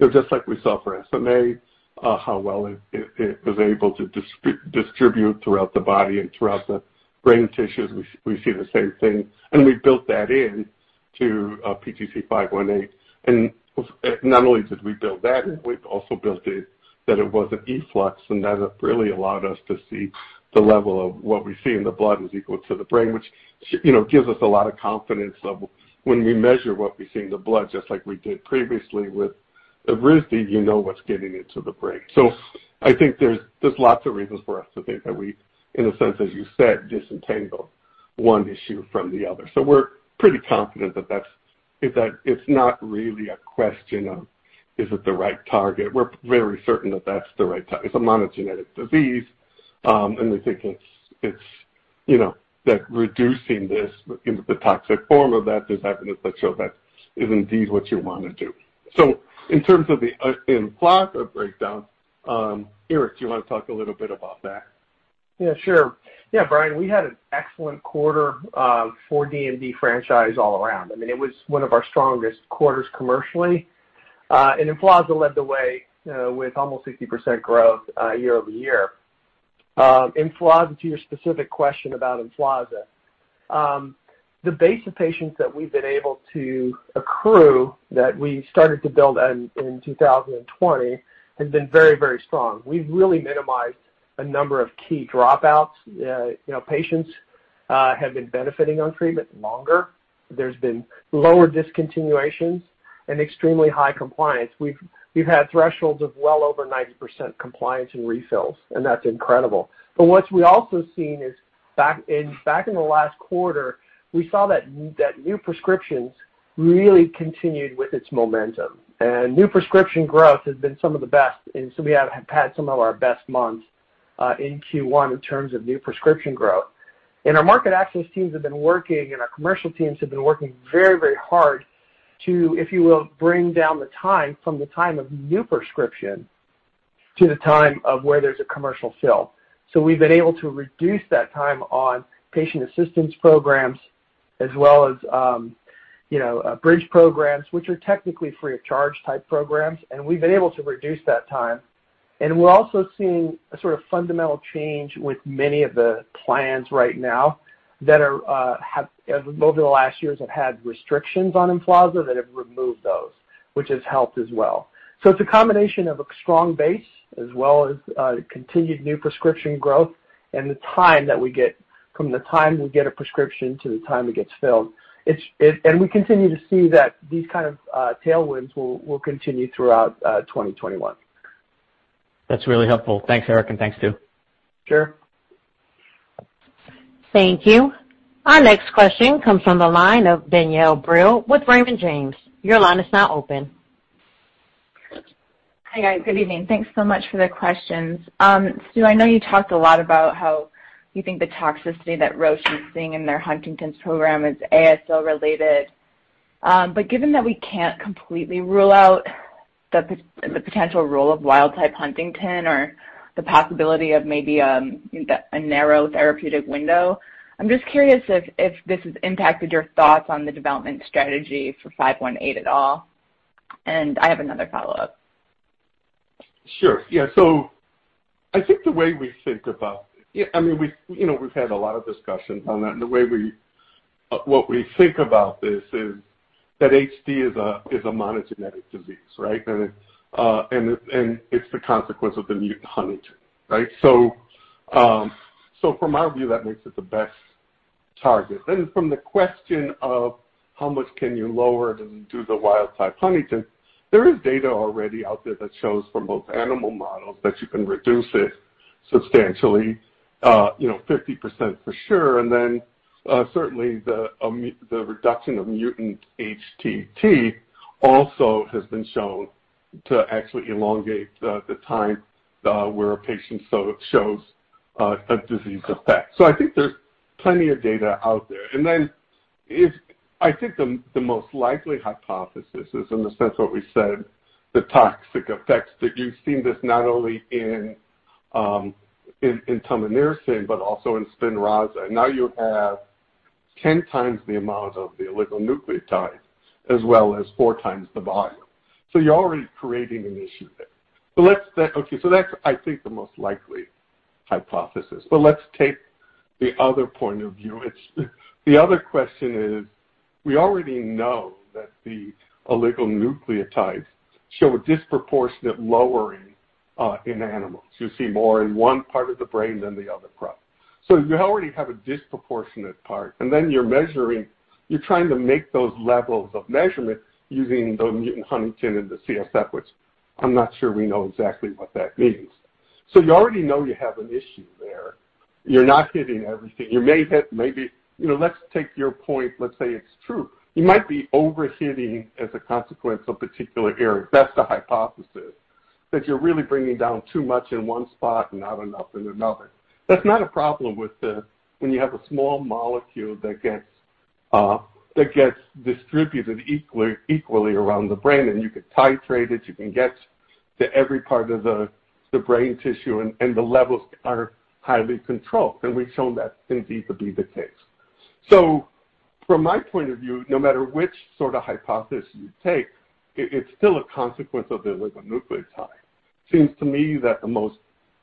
Just like we saw for SMA, how well it was able to distribute throughout the body and throughout the brain tissues, we see the same thing. We built that into PTC518. Not only did we build that in, we also built it that it was an efflux, and that really allowed us to see the level of what we see in the blood is equal to the brain, which gives us a lot of confidence of when we measure what we see in the blood, just like we did previously with Evrysdi, you know what's getting into the brain. I think there's lots of reasons for us to think that we, in a sense, as you said, disentangle one issue from the other. We're pretty confident that it's not really a question of is it the right target? We're very certain that that's the right target. It's a monogenetic disease, and we think that reducing this, the toxic form of that, there's evidence that show that is indeed what you want to do. In terms of the EMFLAZA breakdown, Eric, do you want to talk a little bit about that? Brian, we had an excellent quarter for DMD franchise all around. I mean, it was one of our strongest quarters commercially. EMFLAZA led the way with almost 50% growth year-over-year. To your specific question about EMFLAZA, the base of patients that we've been able to accrue that we started to build in 2020 has been very strong. We've really minimized a number of key dropouts. Patients have been benefiting on treatment longer. There's been lower discontinuations and extremely high compliance. We've had thresholds of well over 90% compliance in refills, that's incredible. What we also seen is back in the last quarter, we saw that new prescriptions really continued with its momentum, new prescription growth has been some of the best. We have had some of our best months in Q1 in terms of new prescription growth. Our market access teams have been working, and our commercial teams have been working very hard to, if you will, bring down the time from the time of new prescription to the time of where there's a commercial fill. We've been able to reduce that time on patient assistance programs as well as bridge programs, which are technically free of charge type programs, and we've been able to reduce that time. We're also seeing a sort of fundamental change with many of the plans right now that over the last years have had restrictions on EMFLAZA that have removed those, which has helped as well. It's a combination of a strong base as well as continued new prescription growth and the time that we get from the time we get a prescription to the time it gets filled. We continue to see that these kind of tailwinds will continue throughout 2021. That's really helpful. Thanks, Eric, and thanks, Stu. Sure. Thank you. Our next question comes from the line of Danielle Brill with Raymond James. Your line is now open. Hi, guys. Good evening. Thanks so much for the questions. Stu, I know you talked a lot about how you think the toxicity that Roche is seeing in their Huntington's program is ASO related. Given that we can't completely rule out the potential role of wild-type huntingtin or the possibility of maybe a narrow therapeutic window, I'm just curious if this has impacted your thoughts on the development strategy for 518 at all. I have another follow-up. Sure. Yeah. I think the way we think about it, we've had a lot of discussions on that, the way what we think about this is that HD is a monogenetic disease, right? It's the consequence of the mutant huntingtin, right? From our view, that makes it the best target. From the question of how much can you lower it and do the wild type huntingtin, there is data actually out there that shows from both animal models that you can reduce it substantially, 50% for sure. Certainly the reduction of mutant HTT also has been shown to actually elongate the time where a patient shows a disease effect. I think there's plenty of data out there. I think the most likely hypothesis is, in the sense what we said, the toxic effects that you've seen this not only in tominersen but also in SPINRAZA. You have 10x the amount of the oligonucleotide as well as 4x the volume. You're already creating an issue there. Okay. That's I think the most likely hypothesis. Let's take the other point of view. The other question is, we already know that the oligonucleotide show a disproportionate lowering in animals. You see more in one part of the brain than the other part. You already have a disproportionate part, you're measuring, you're trying to make those levels of measurement using the mutant huntingtin and the CSF, which I'm not sure we know exactly what that means. You already know you have an issue there. You're not hitting everything. Let's take your point. Let's say it's true. You might be over-hitting as a consequence of particular areas. That's the hypothesis, that you're really bringing down too much in one spot and not enough in another. That's not a problem when you have a small molecule that gets distributed equally around the brain, and you could titrate it, you can get to every part of the brain tissue, and the levels are highly controlled. We've shown that indeed to be the case. From my point of view, no matter which sort of hypothesis you take, it's still a consequence of the oligonucleotide. Seems to me that the most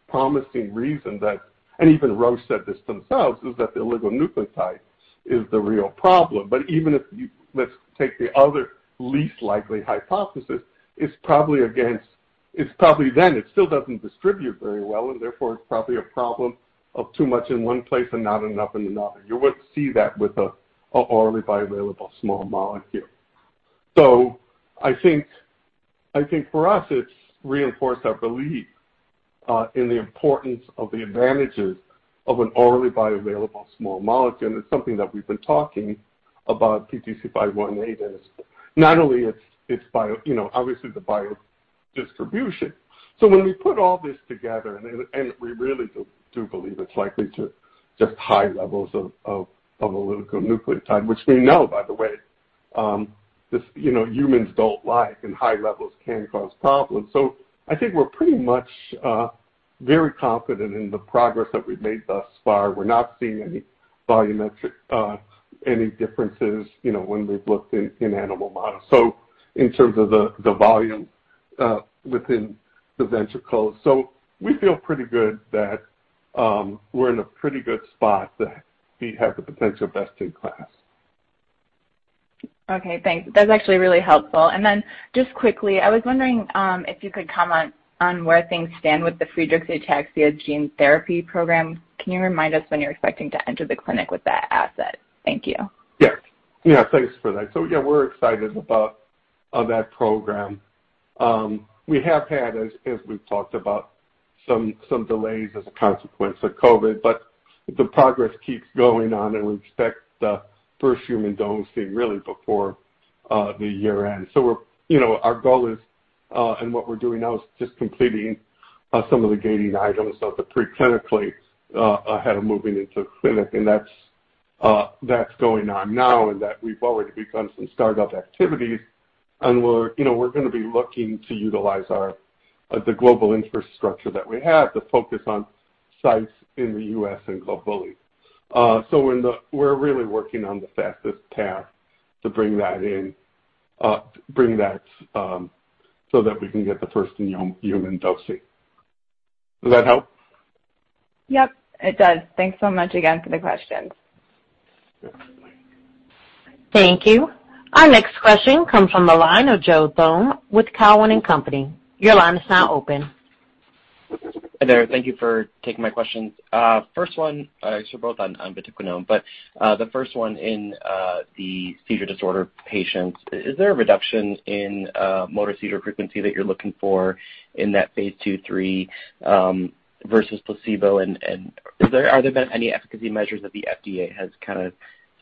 promising reason that, and even Roche said this themselves, is that the oligonucleotide is the real problem. Even if you, let's take the other least likely hypothesis, it's probably then, it still doesn't distribute very well, and therefore it's probably a problem of too much in one place and not enough in another. You would see that with a orally bioavailable small molecule. I think for us, it's reinforced our belief in the importance of the advantages of an orally bioavailable small molecule, and it's something that we've been talking about PTC518 is not only its bio, obviously the biodistribution. When we put all this together, and we really do believe it's likely to just high levels of oligonucleotide, which we know, by the way, humans don't like, and high levels can cause problems. I think we're pretty much very confident in the progress that we've made thus far. We're not seeing any volumetric, any differences, when we've looked in animal models, so in terms of the volume within the ventricles. We feel pretty good that we're in a pretty good spot, that we have the potential best-in-class. Okay, thanks. That's actually really helpful. Just quickly, I was wondering if you could comment on where things stand with the Friedreich ataxia gene therapy program. Can you remind us when you're expecting to enter the clinic with that asset? Thank you. Yeah. Thanks for that. Yeah, we're excited about that program. We have had, as we've talked about, some delays as a consequence of COVID, but the progress keeps going on, and we expect the first human dosing really before the year ends. Our goal is, and what we're doing now is just completing some of the gating items of the pre-clinicals ahead of moving into clinic, and that's going on now in that we've already begun some startup activities. We're going to be looking to utilize the global infrastructure that we have to focus on sites in the U.S. and globally. We're really working on the fastest path to bring that in, bring that so that we can get the first human dosing. Does that help? Yep. It does. Thanks so much again for the questions. Yeah. Thank you. Our next question comes from the line of Joe Thome with Cowen & Company. Hi there. Thank you for taking my questions. First one, actually both on vatiquinone, but the first one in the seizure disorder patients, is there a reduction in motor seizure frequency that you're looking for in that phase II/III versus placebo, and are there any efficacy measures that the FDA has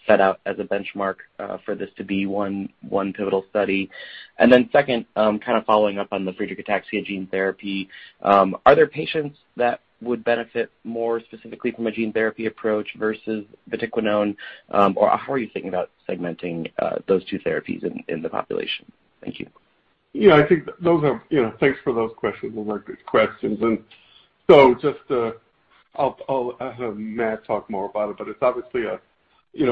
set out as a benchmark for this to be one pivotal study? Second, following up on the Friedreich ataxia gene therapy, are there patients that would benefit more specifically from a gene therapy approach versus vatiquinone? How are you thinking about segmenting those two therapies in the population? Thank you. Yeah, thanks for those questions. Those are good questions. I'll have Matt talk more about it, but it's obviously,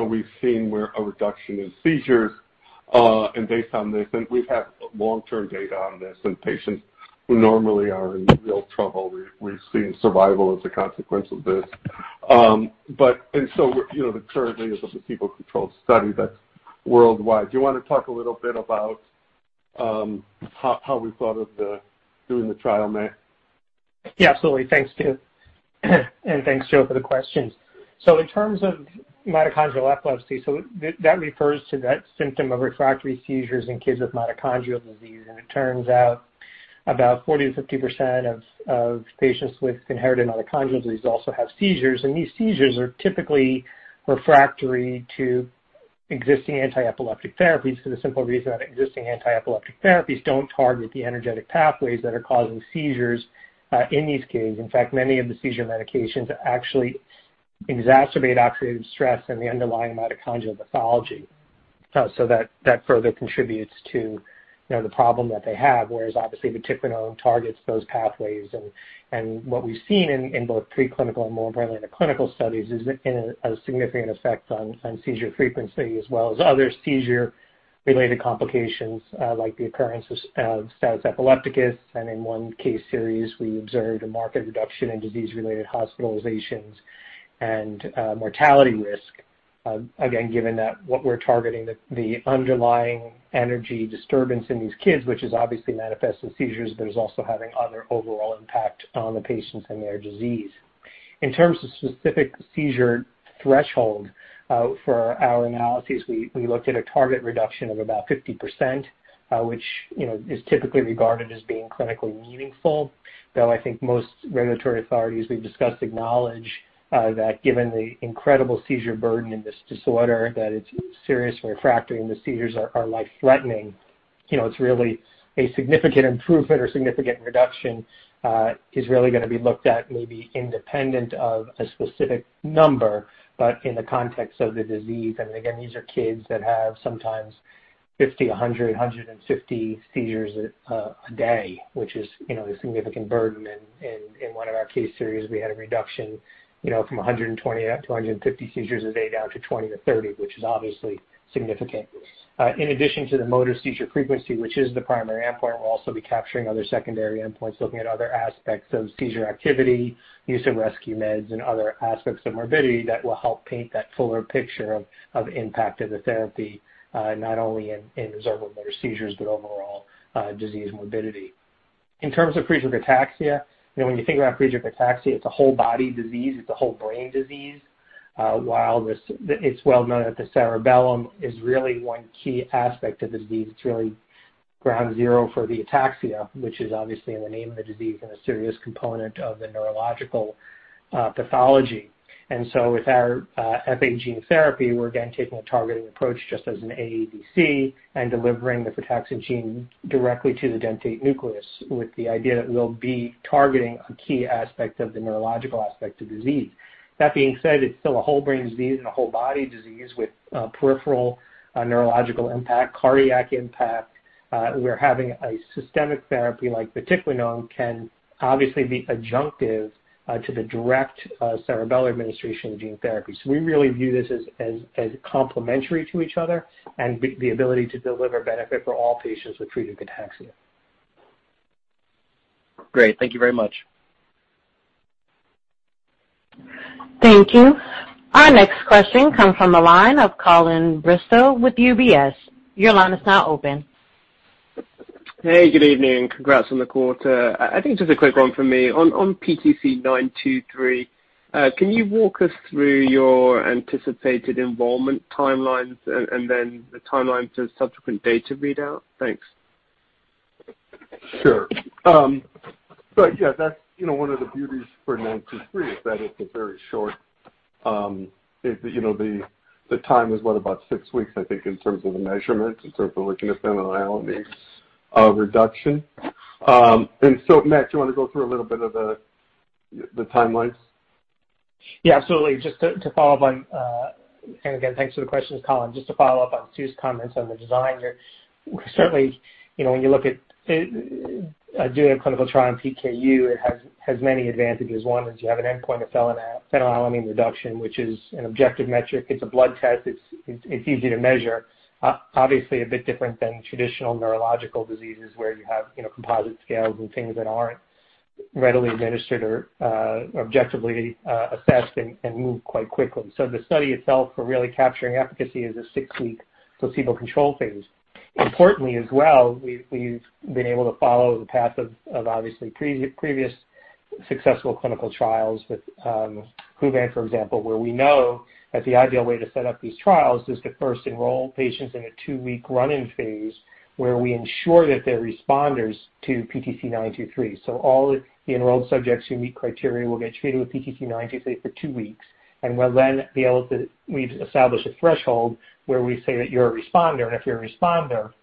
we've seen where a reduction in seizures, and based on this, and we have long-term data on this in patients who normally are in real trouble. We've seen survival as a consequence of this. Currently, there's a placebo-controlled study that's worldwide. Do you want to talk a little bit about how we thought of doing the trial, Matt? Yeah, absolutely. Thanks, Stu, and thanks, Joe, for the questions. In terms of mitochondrial epilepsy, that refers to that symptom of refractory seizures in kids with mitochondrial disease. It turns out about 40%-50% of patients with inherited mitochondrial disease also have seizures, and these seizures are typically refractory to existing anti-epileptic therapies for the simple reason that existing anti-epileptic therapies don't target the energetic pathways that are causing seizures in these kids. In fact, many of the seizure medications actually exacerbate oxidative stress and the underlying mitochondrial pathology. That further contributes to the problem that they have, whereas obviously vatiquinone targets those pathways. What we've seen in both preclinical and more importantly in the clinical studies is a significant effect on seizure frequency as well as other seizure-related complications, like the occurrence of status epilepticus. In one case series, we observed a marked reduction in disease-related hospitalizations and mortality risk. Again, given that what we're targeting, the underlying energy dystrophin in these kids, which obviously manifests in seizures, but is also having other overall impact on the patients and their disease. In terms of specific seizure threshold for our analyses, we looked at a target reduction of about 50%, which is typically regarded as being clinically meaningful, though I think most regulatory authorities we've discussed acknowledge that given the incredible seizure burden in this disorder, that it's serious, refractory, and the seizures are life-threatening. It's really a significant improvement or significant reduction is really going to be looked at maybe independent of a specific number, but in the context of the disease. Again, these are kids that have sometimes 50, 100, 150 seizures a day, which is a significant burden. In one of our case series, we had a reduction from 120 to 150 seizures a day down to 20-30, which is obviously significant. In addition to the motor seizure frequency, which is the primary endpoint, we'll also be capturing other secondary endpoints, looking at other aspects of seizure activity, use of rescue meds, and other aspects of morbidity that will help paint that fuller picture of impact of the therapy, not only in observable motor seizures, but overall disease morbidity. In terms of Friedreich ataxia, when you think about Friedreich ataxia, it's a whole body disease, it's a whole brain disease. While it's well known that the cerebellum is really one key aspect of the disease, it's really ground zero for the ataxia, which is obviously in the name of the disease and a serious component of the neurological pathology. With our FA gene therapy, we're again taking a targeted approach, just as in AADC, and delivering the frataxin gene directly to the dentate nucleus with the idea that we'll be targeting a key aspect of the neurological aspect of the disease. That being said, it's still a whole brain disease and a whole body disease with peripheral neurological impact, cardiac impact. Where having a systemic therapy like vatiquinone can obviously be adjunctive to the direct cerebellar administration of gene therapy. We really view this as complementary to each other and the ability to deliver benefit for all patients with Friedreich ataxia. Great, thank you very much. Thank you. Our next question comes from the line of Colin Bristow with UBS. Your line is now open. Hey, good evening. Congrats on the quarter. I think just a quick one from me. On PTC923, can you walk us through your anticipated enrollment timelines and then the timeline to subsequent data readout? Thanks. Yeah, that's one of the beauties for PTC923 is that it's a very short, the time is what, about six weeks, I think, in terms of the measurements, in terms of looking at phenylalanine reduction. Matt, do you want to go through a little bit of the timelines? Yeah, absolutely. Just to follow up on, again, thanks for the questions, Colin. Just to follow up on Stu's comments on the design. Certainly, when you look at doing a clinical trial in PKU, it has many advantages. One is you have an endpoint of phenylalanine reduction, which is an objective metric. It's a blood test. It's easy to measure. Obviously, a bit different than traditional neurological diseases where you have composite scales and things that aren't readily administered or objectively assessed and move quite quickly. The study itself for really capturing efficacy is a six-week placebo control phase. Importantly, as well, we've been able to follow the path of obviously previous successful clinical trials with KUVAN, for example, where we know that the ideal way to set up these trials is to first enroll patients in a two-week run-in phase where we ensure that they're responders to PTC923. All the enrolled subjects who meet criteria will get treated with PTC923 for two weeks, and we'll then be able to establish a threshold where we say that you're a responder. If you're a responder,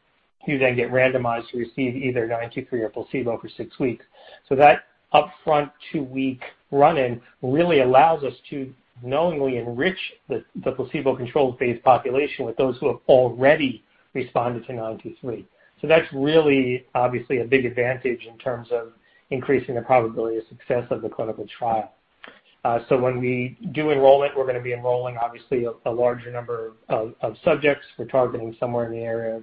you then get randomized to receive either 923 or placebo for six weeks. That upfront two-week run-in really allows us to knowingly enrich the placebo-controlled phase population with those who have already responded to 923. That's really obviously a big advantage in terms of increasing the probability of success of the clinical trial. When we do enrollment, we're going to be enrolling obviously a larger number of subjects. We're targeting somewhere in the area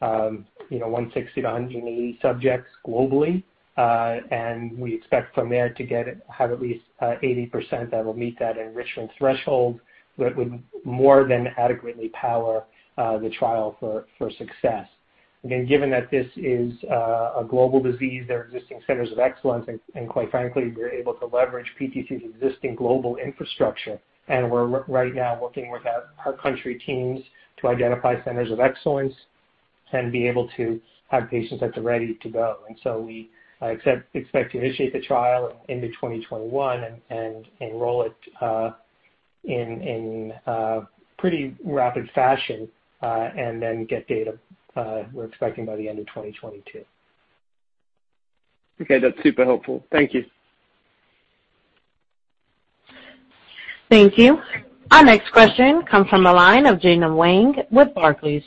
of 160-180 subjects globally. We expect from there to have at least 80% that will meet that enrichment threshold. That would more than adequately power the trial for success. Again, given that this is a global disease, there are existing centers of excellence, and quite frankly, we're able to leverage PTC's existing global infrastructure. We're right now working with our country teams to identify centers of excellence and be able to have patients that are ready to go. We expect to initiate the trial into 2021 and enroll it in pretty rapid fashion. Get data, we're expecting by the end of 2022. Okay, that's super helpful. Thank you. Thank you. Our next question comes from the line of Gena Wang with Barclays.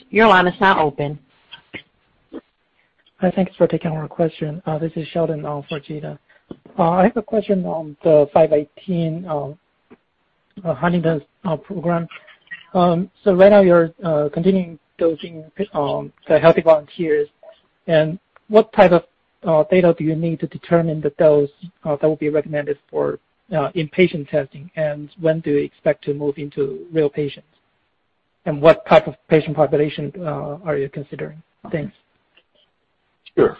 Thanks for taking our question. This is Sheldon for Gena. I have a question on the 518 Huntington's program. Right now, you're continuing dosing the healthy volunteers. What type of data do you need to determine the dose that will be recommended for inpatient testing? When do we expect to move into real patients? What type of patient population are you considering? Thanks. Sure.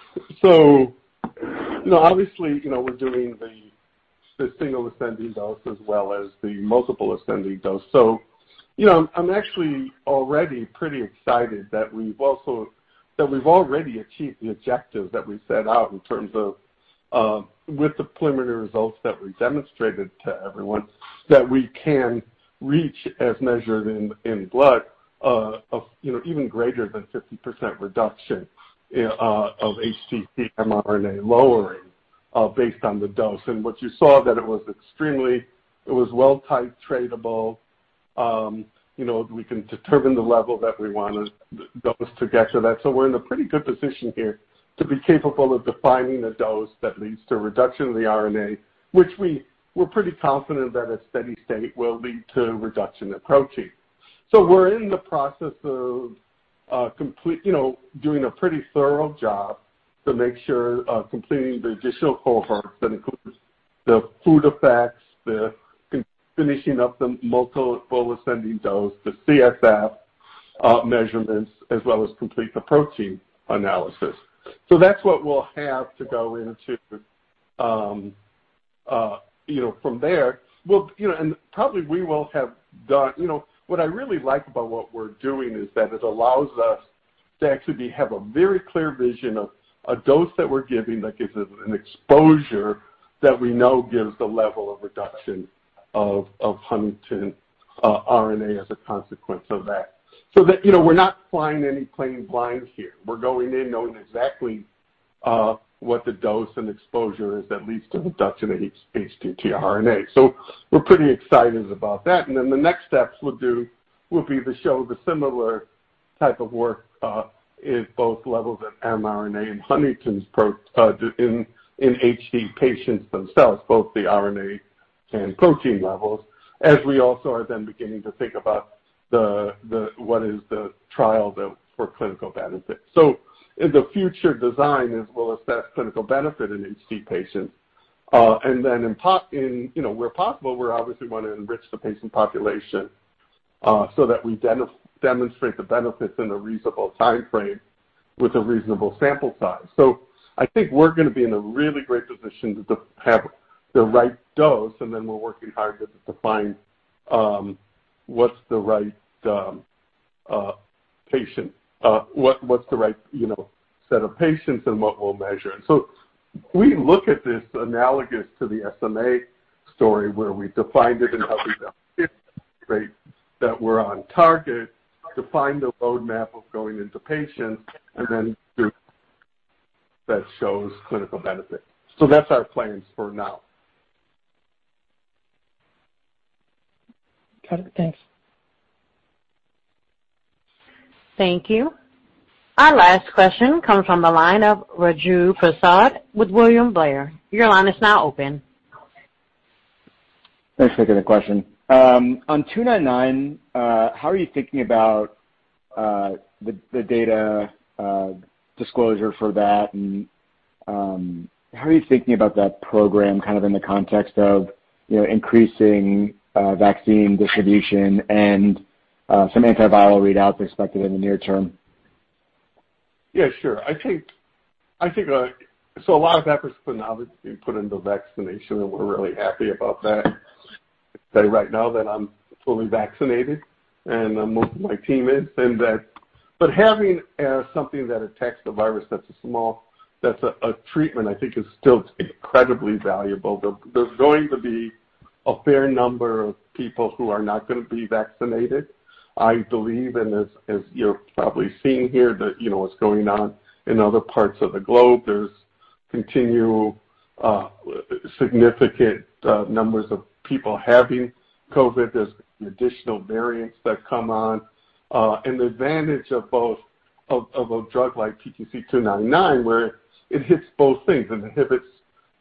Obviously, we're doing the single ascending dose as well as the multiple ascending dose. I'm actually already pretty excited that we've already achieved the objectives that we set out in terms of with the preliminary results that we demonstrated to everyone, that we can reach as measured in blood of even greater than 50% reduction of HTT-mRNA lowering based on the dose. What you saw that it was extremely well titratable. We can determine the level that we want the dose to get to that. We're in a pretty good position here to be capable of defining the dose that leads to a reduction in the RNA, which we're pretty confident that a steady state will lead to reduction in protein. We're in the process of doing a pretty thorough job to make sure, completing the additional cohorts, that includes the food effects, the finishing up the multiple ascending dose, the CSF measurements, as well as complete the protein analysis. That's what we'll have to go into from there. What I really like about what we're doing is that it allows us to actually have a very clear vision of a dose that we're giving that gives us an exposure that we know gives the level of reduction of huntingtin RNA as a consequence of that. That we're not flying any plane blind here. We're going in knowing exactly what the dose and exposure is that leads to reduction in HTT-RNA. We're pretty excited about that. The next steps we'll do will be to show the similar type of work in both levels of mRNA and huntingtin protein in HD patients themselves, both the RNA and protein levels, as we also are beginning to think about what is the trial for clinical benefit. In the future design as well as that clinical benefit in HD patients, where possible, we obviously want to enrich the patient population, so that we demonstrate the benefits in a reasonable timeframe with a reasonable sample size. I think we're going to be in a really great position to have the right dose, we're working hard to define what's the right set of patients and what we'll measure. We look at this analogous to the SMA story, where we defined it and how we demonstrate that we're on target, define the roadmap of going into patients, and then that shows clinical benefit. That's our plans for now. Got it. Thanks. Thank you. Our last question comes from the line of Raju Prasad with William Blair. Thanks for the question. On 299, how are you thinking about the data disclosure for that, and how are you thinking about that program kind of in the context of increasing vaccine distribution and some antiviral readouts expected in the near term? Yeah, sure. A lot of efforts put now is being put into vaccination, and we're really happy about that. Say right now that I'm fully vaccinated and most of my team is. Having something that attacks the virus that's a treatment I think is still incredibly valuable. There's going to be a fair number of people who are not going to be vaccinated. I believe, and as you're probably seeing here what's going on in other parts of the globe, there's continual significant numbers of people having COVID. There's additional variants that come on. An advantage of a drug like PTC299, where it hits both things and inhibits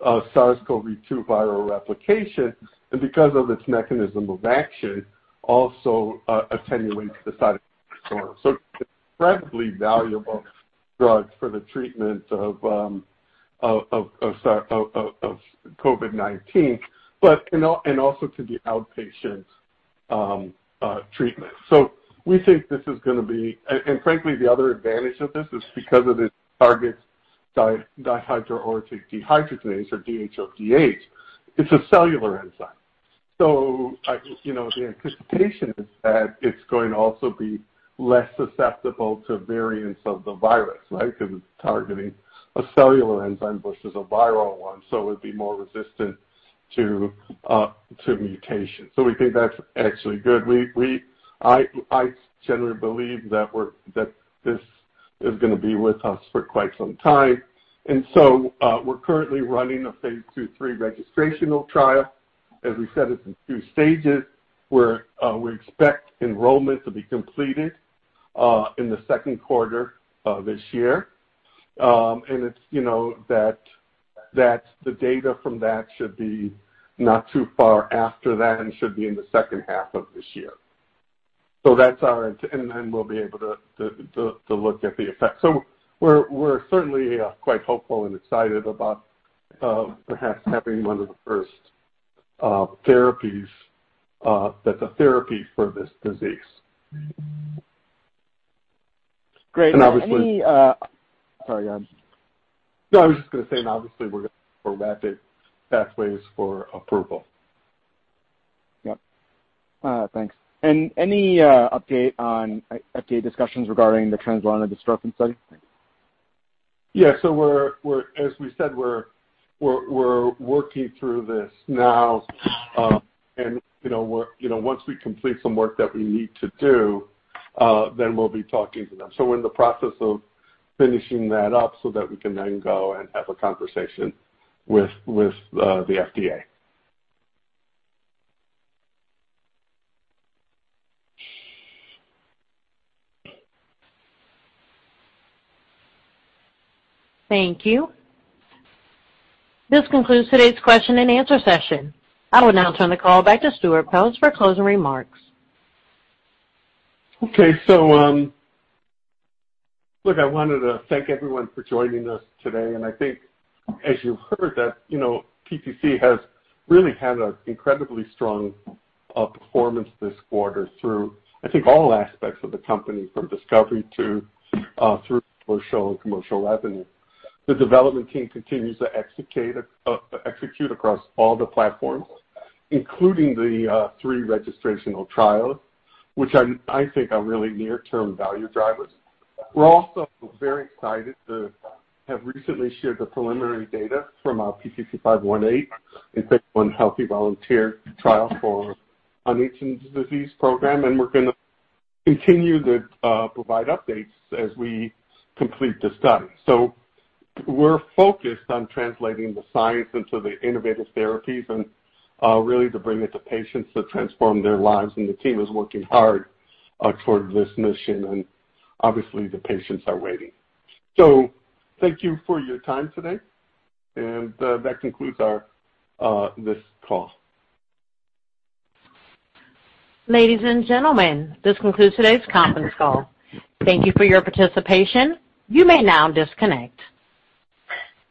SARS-CoV-2 viral replication, and because of its mechanism of action, also attenuates the cytokine storm. It's incredibly valuable drug for the treatment of COVID-19, and also to the outpatient treatment. Frankly, the other advantage of this is because it targets dihydroorotate dehydrogenase or DHODH. It's a cellular enzyme. The anticipation is that it's going to also be less susceptible to variants of the virus, right? Because it's targeting a cellular enzyme versus a viral one, so it would be more resistant to mutations. We think that's actually good. I generally believe that this is going to be with us for quite some time, we're currently running a phase II/III registrational trial. As we said, it's in two stages, where we expect enrollment to be completed in the second quarter of this year. That the data from that should be not too far after that and should be in the second half of this year. That's our intent, and then we'll be able to look at the effect. We're certainly quite hopeful and excited about perhaps having one of the first therapies that's a therapy for this disease. Great. And obviously- Sorry. No, I was just going to say. Obviously we're going to pathways for approval. Yep. Thanks. Any update on FDA discussions regarding the Translarna and disturbance study? Yeah. As we said, we're working through this now. Once we complete some work that we need to do, then we'll be talking to them. We're in the process of finishing that up so that we can then go and have a conversation with the FDA. Thank you. This concludes today's question and answer session. I will now turn the call back to Stuart Peltz for closing remarks. Okay, look, I wanted to thank everyone for joining us today. I think as you've heard that PTC has really had an incredibly strong performance this quarter through, I think, all aspects of the company, from discovery through to commercial revenue. The development team continues to execute across all the platforms, including the three registrational trials, which I think are really near-term value drivers. We're also very excited to have recently shared the preliminary data from our PTC518 in phase I healthy volunteer trial for our Huntington’s disease program. We're going to continue to provide updates as we complete the study. We're focused on translating the science into the innovative therapies and really to bring it to patients to transform their lives. The team is working hard towards this mission. Obviously the patients are waiting. Thank you for your time today, and that concludes this call. Ladies and gentlemen, this concludes today's conference call. Thank you for your participation. You may now disconnect.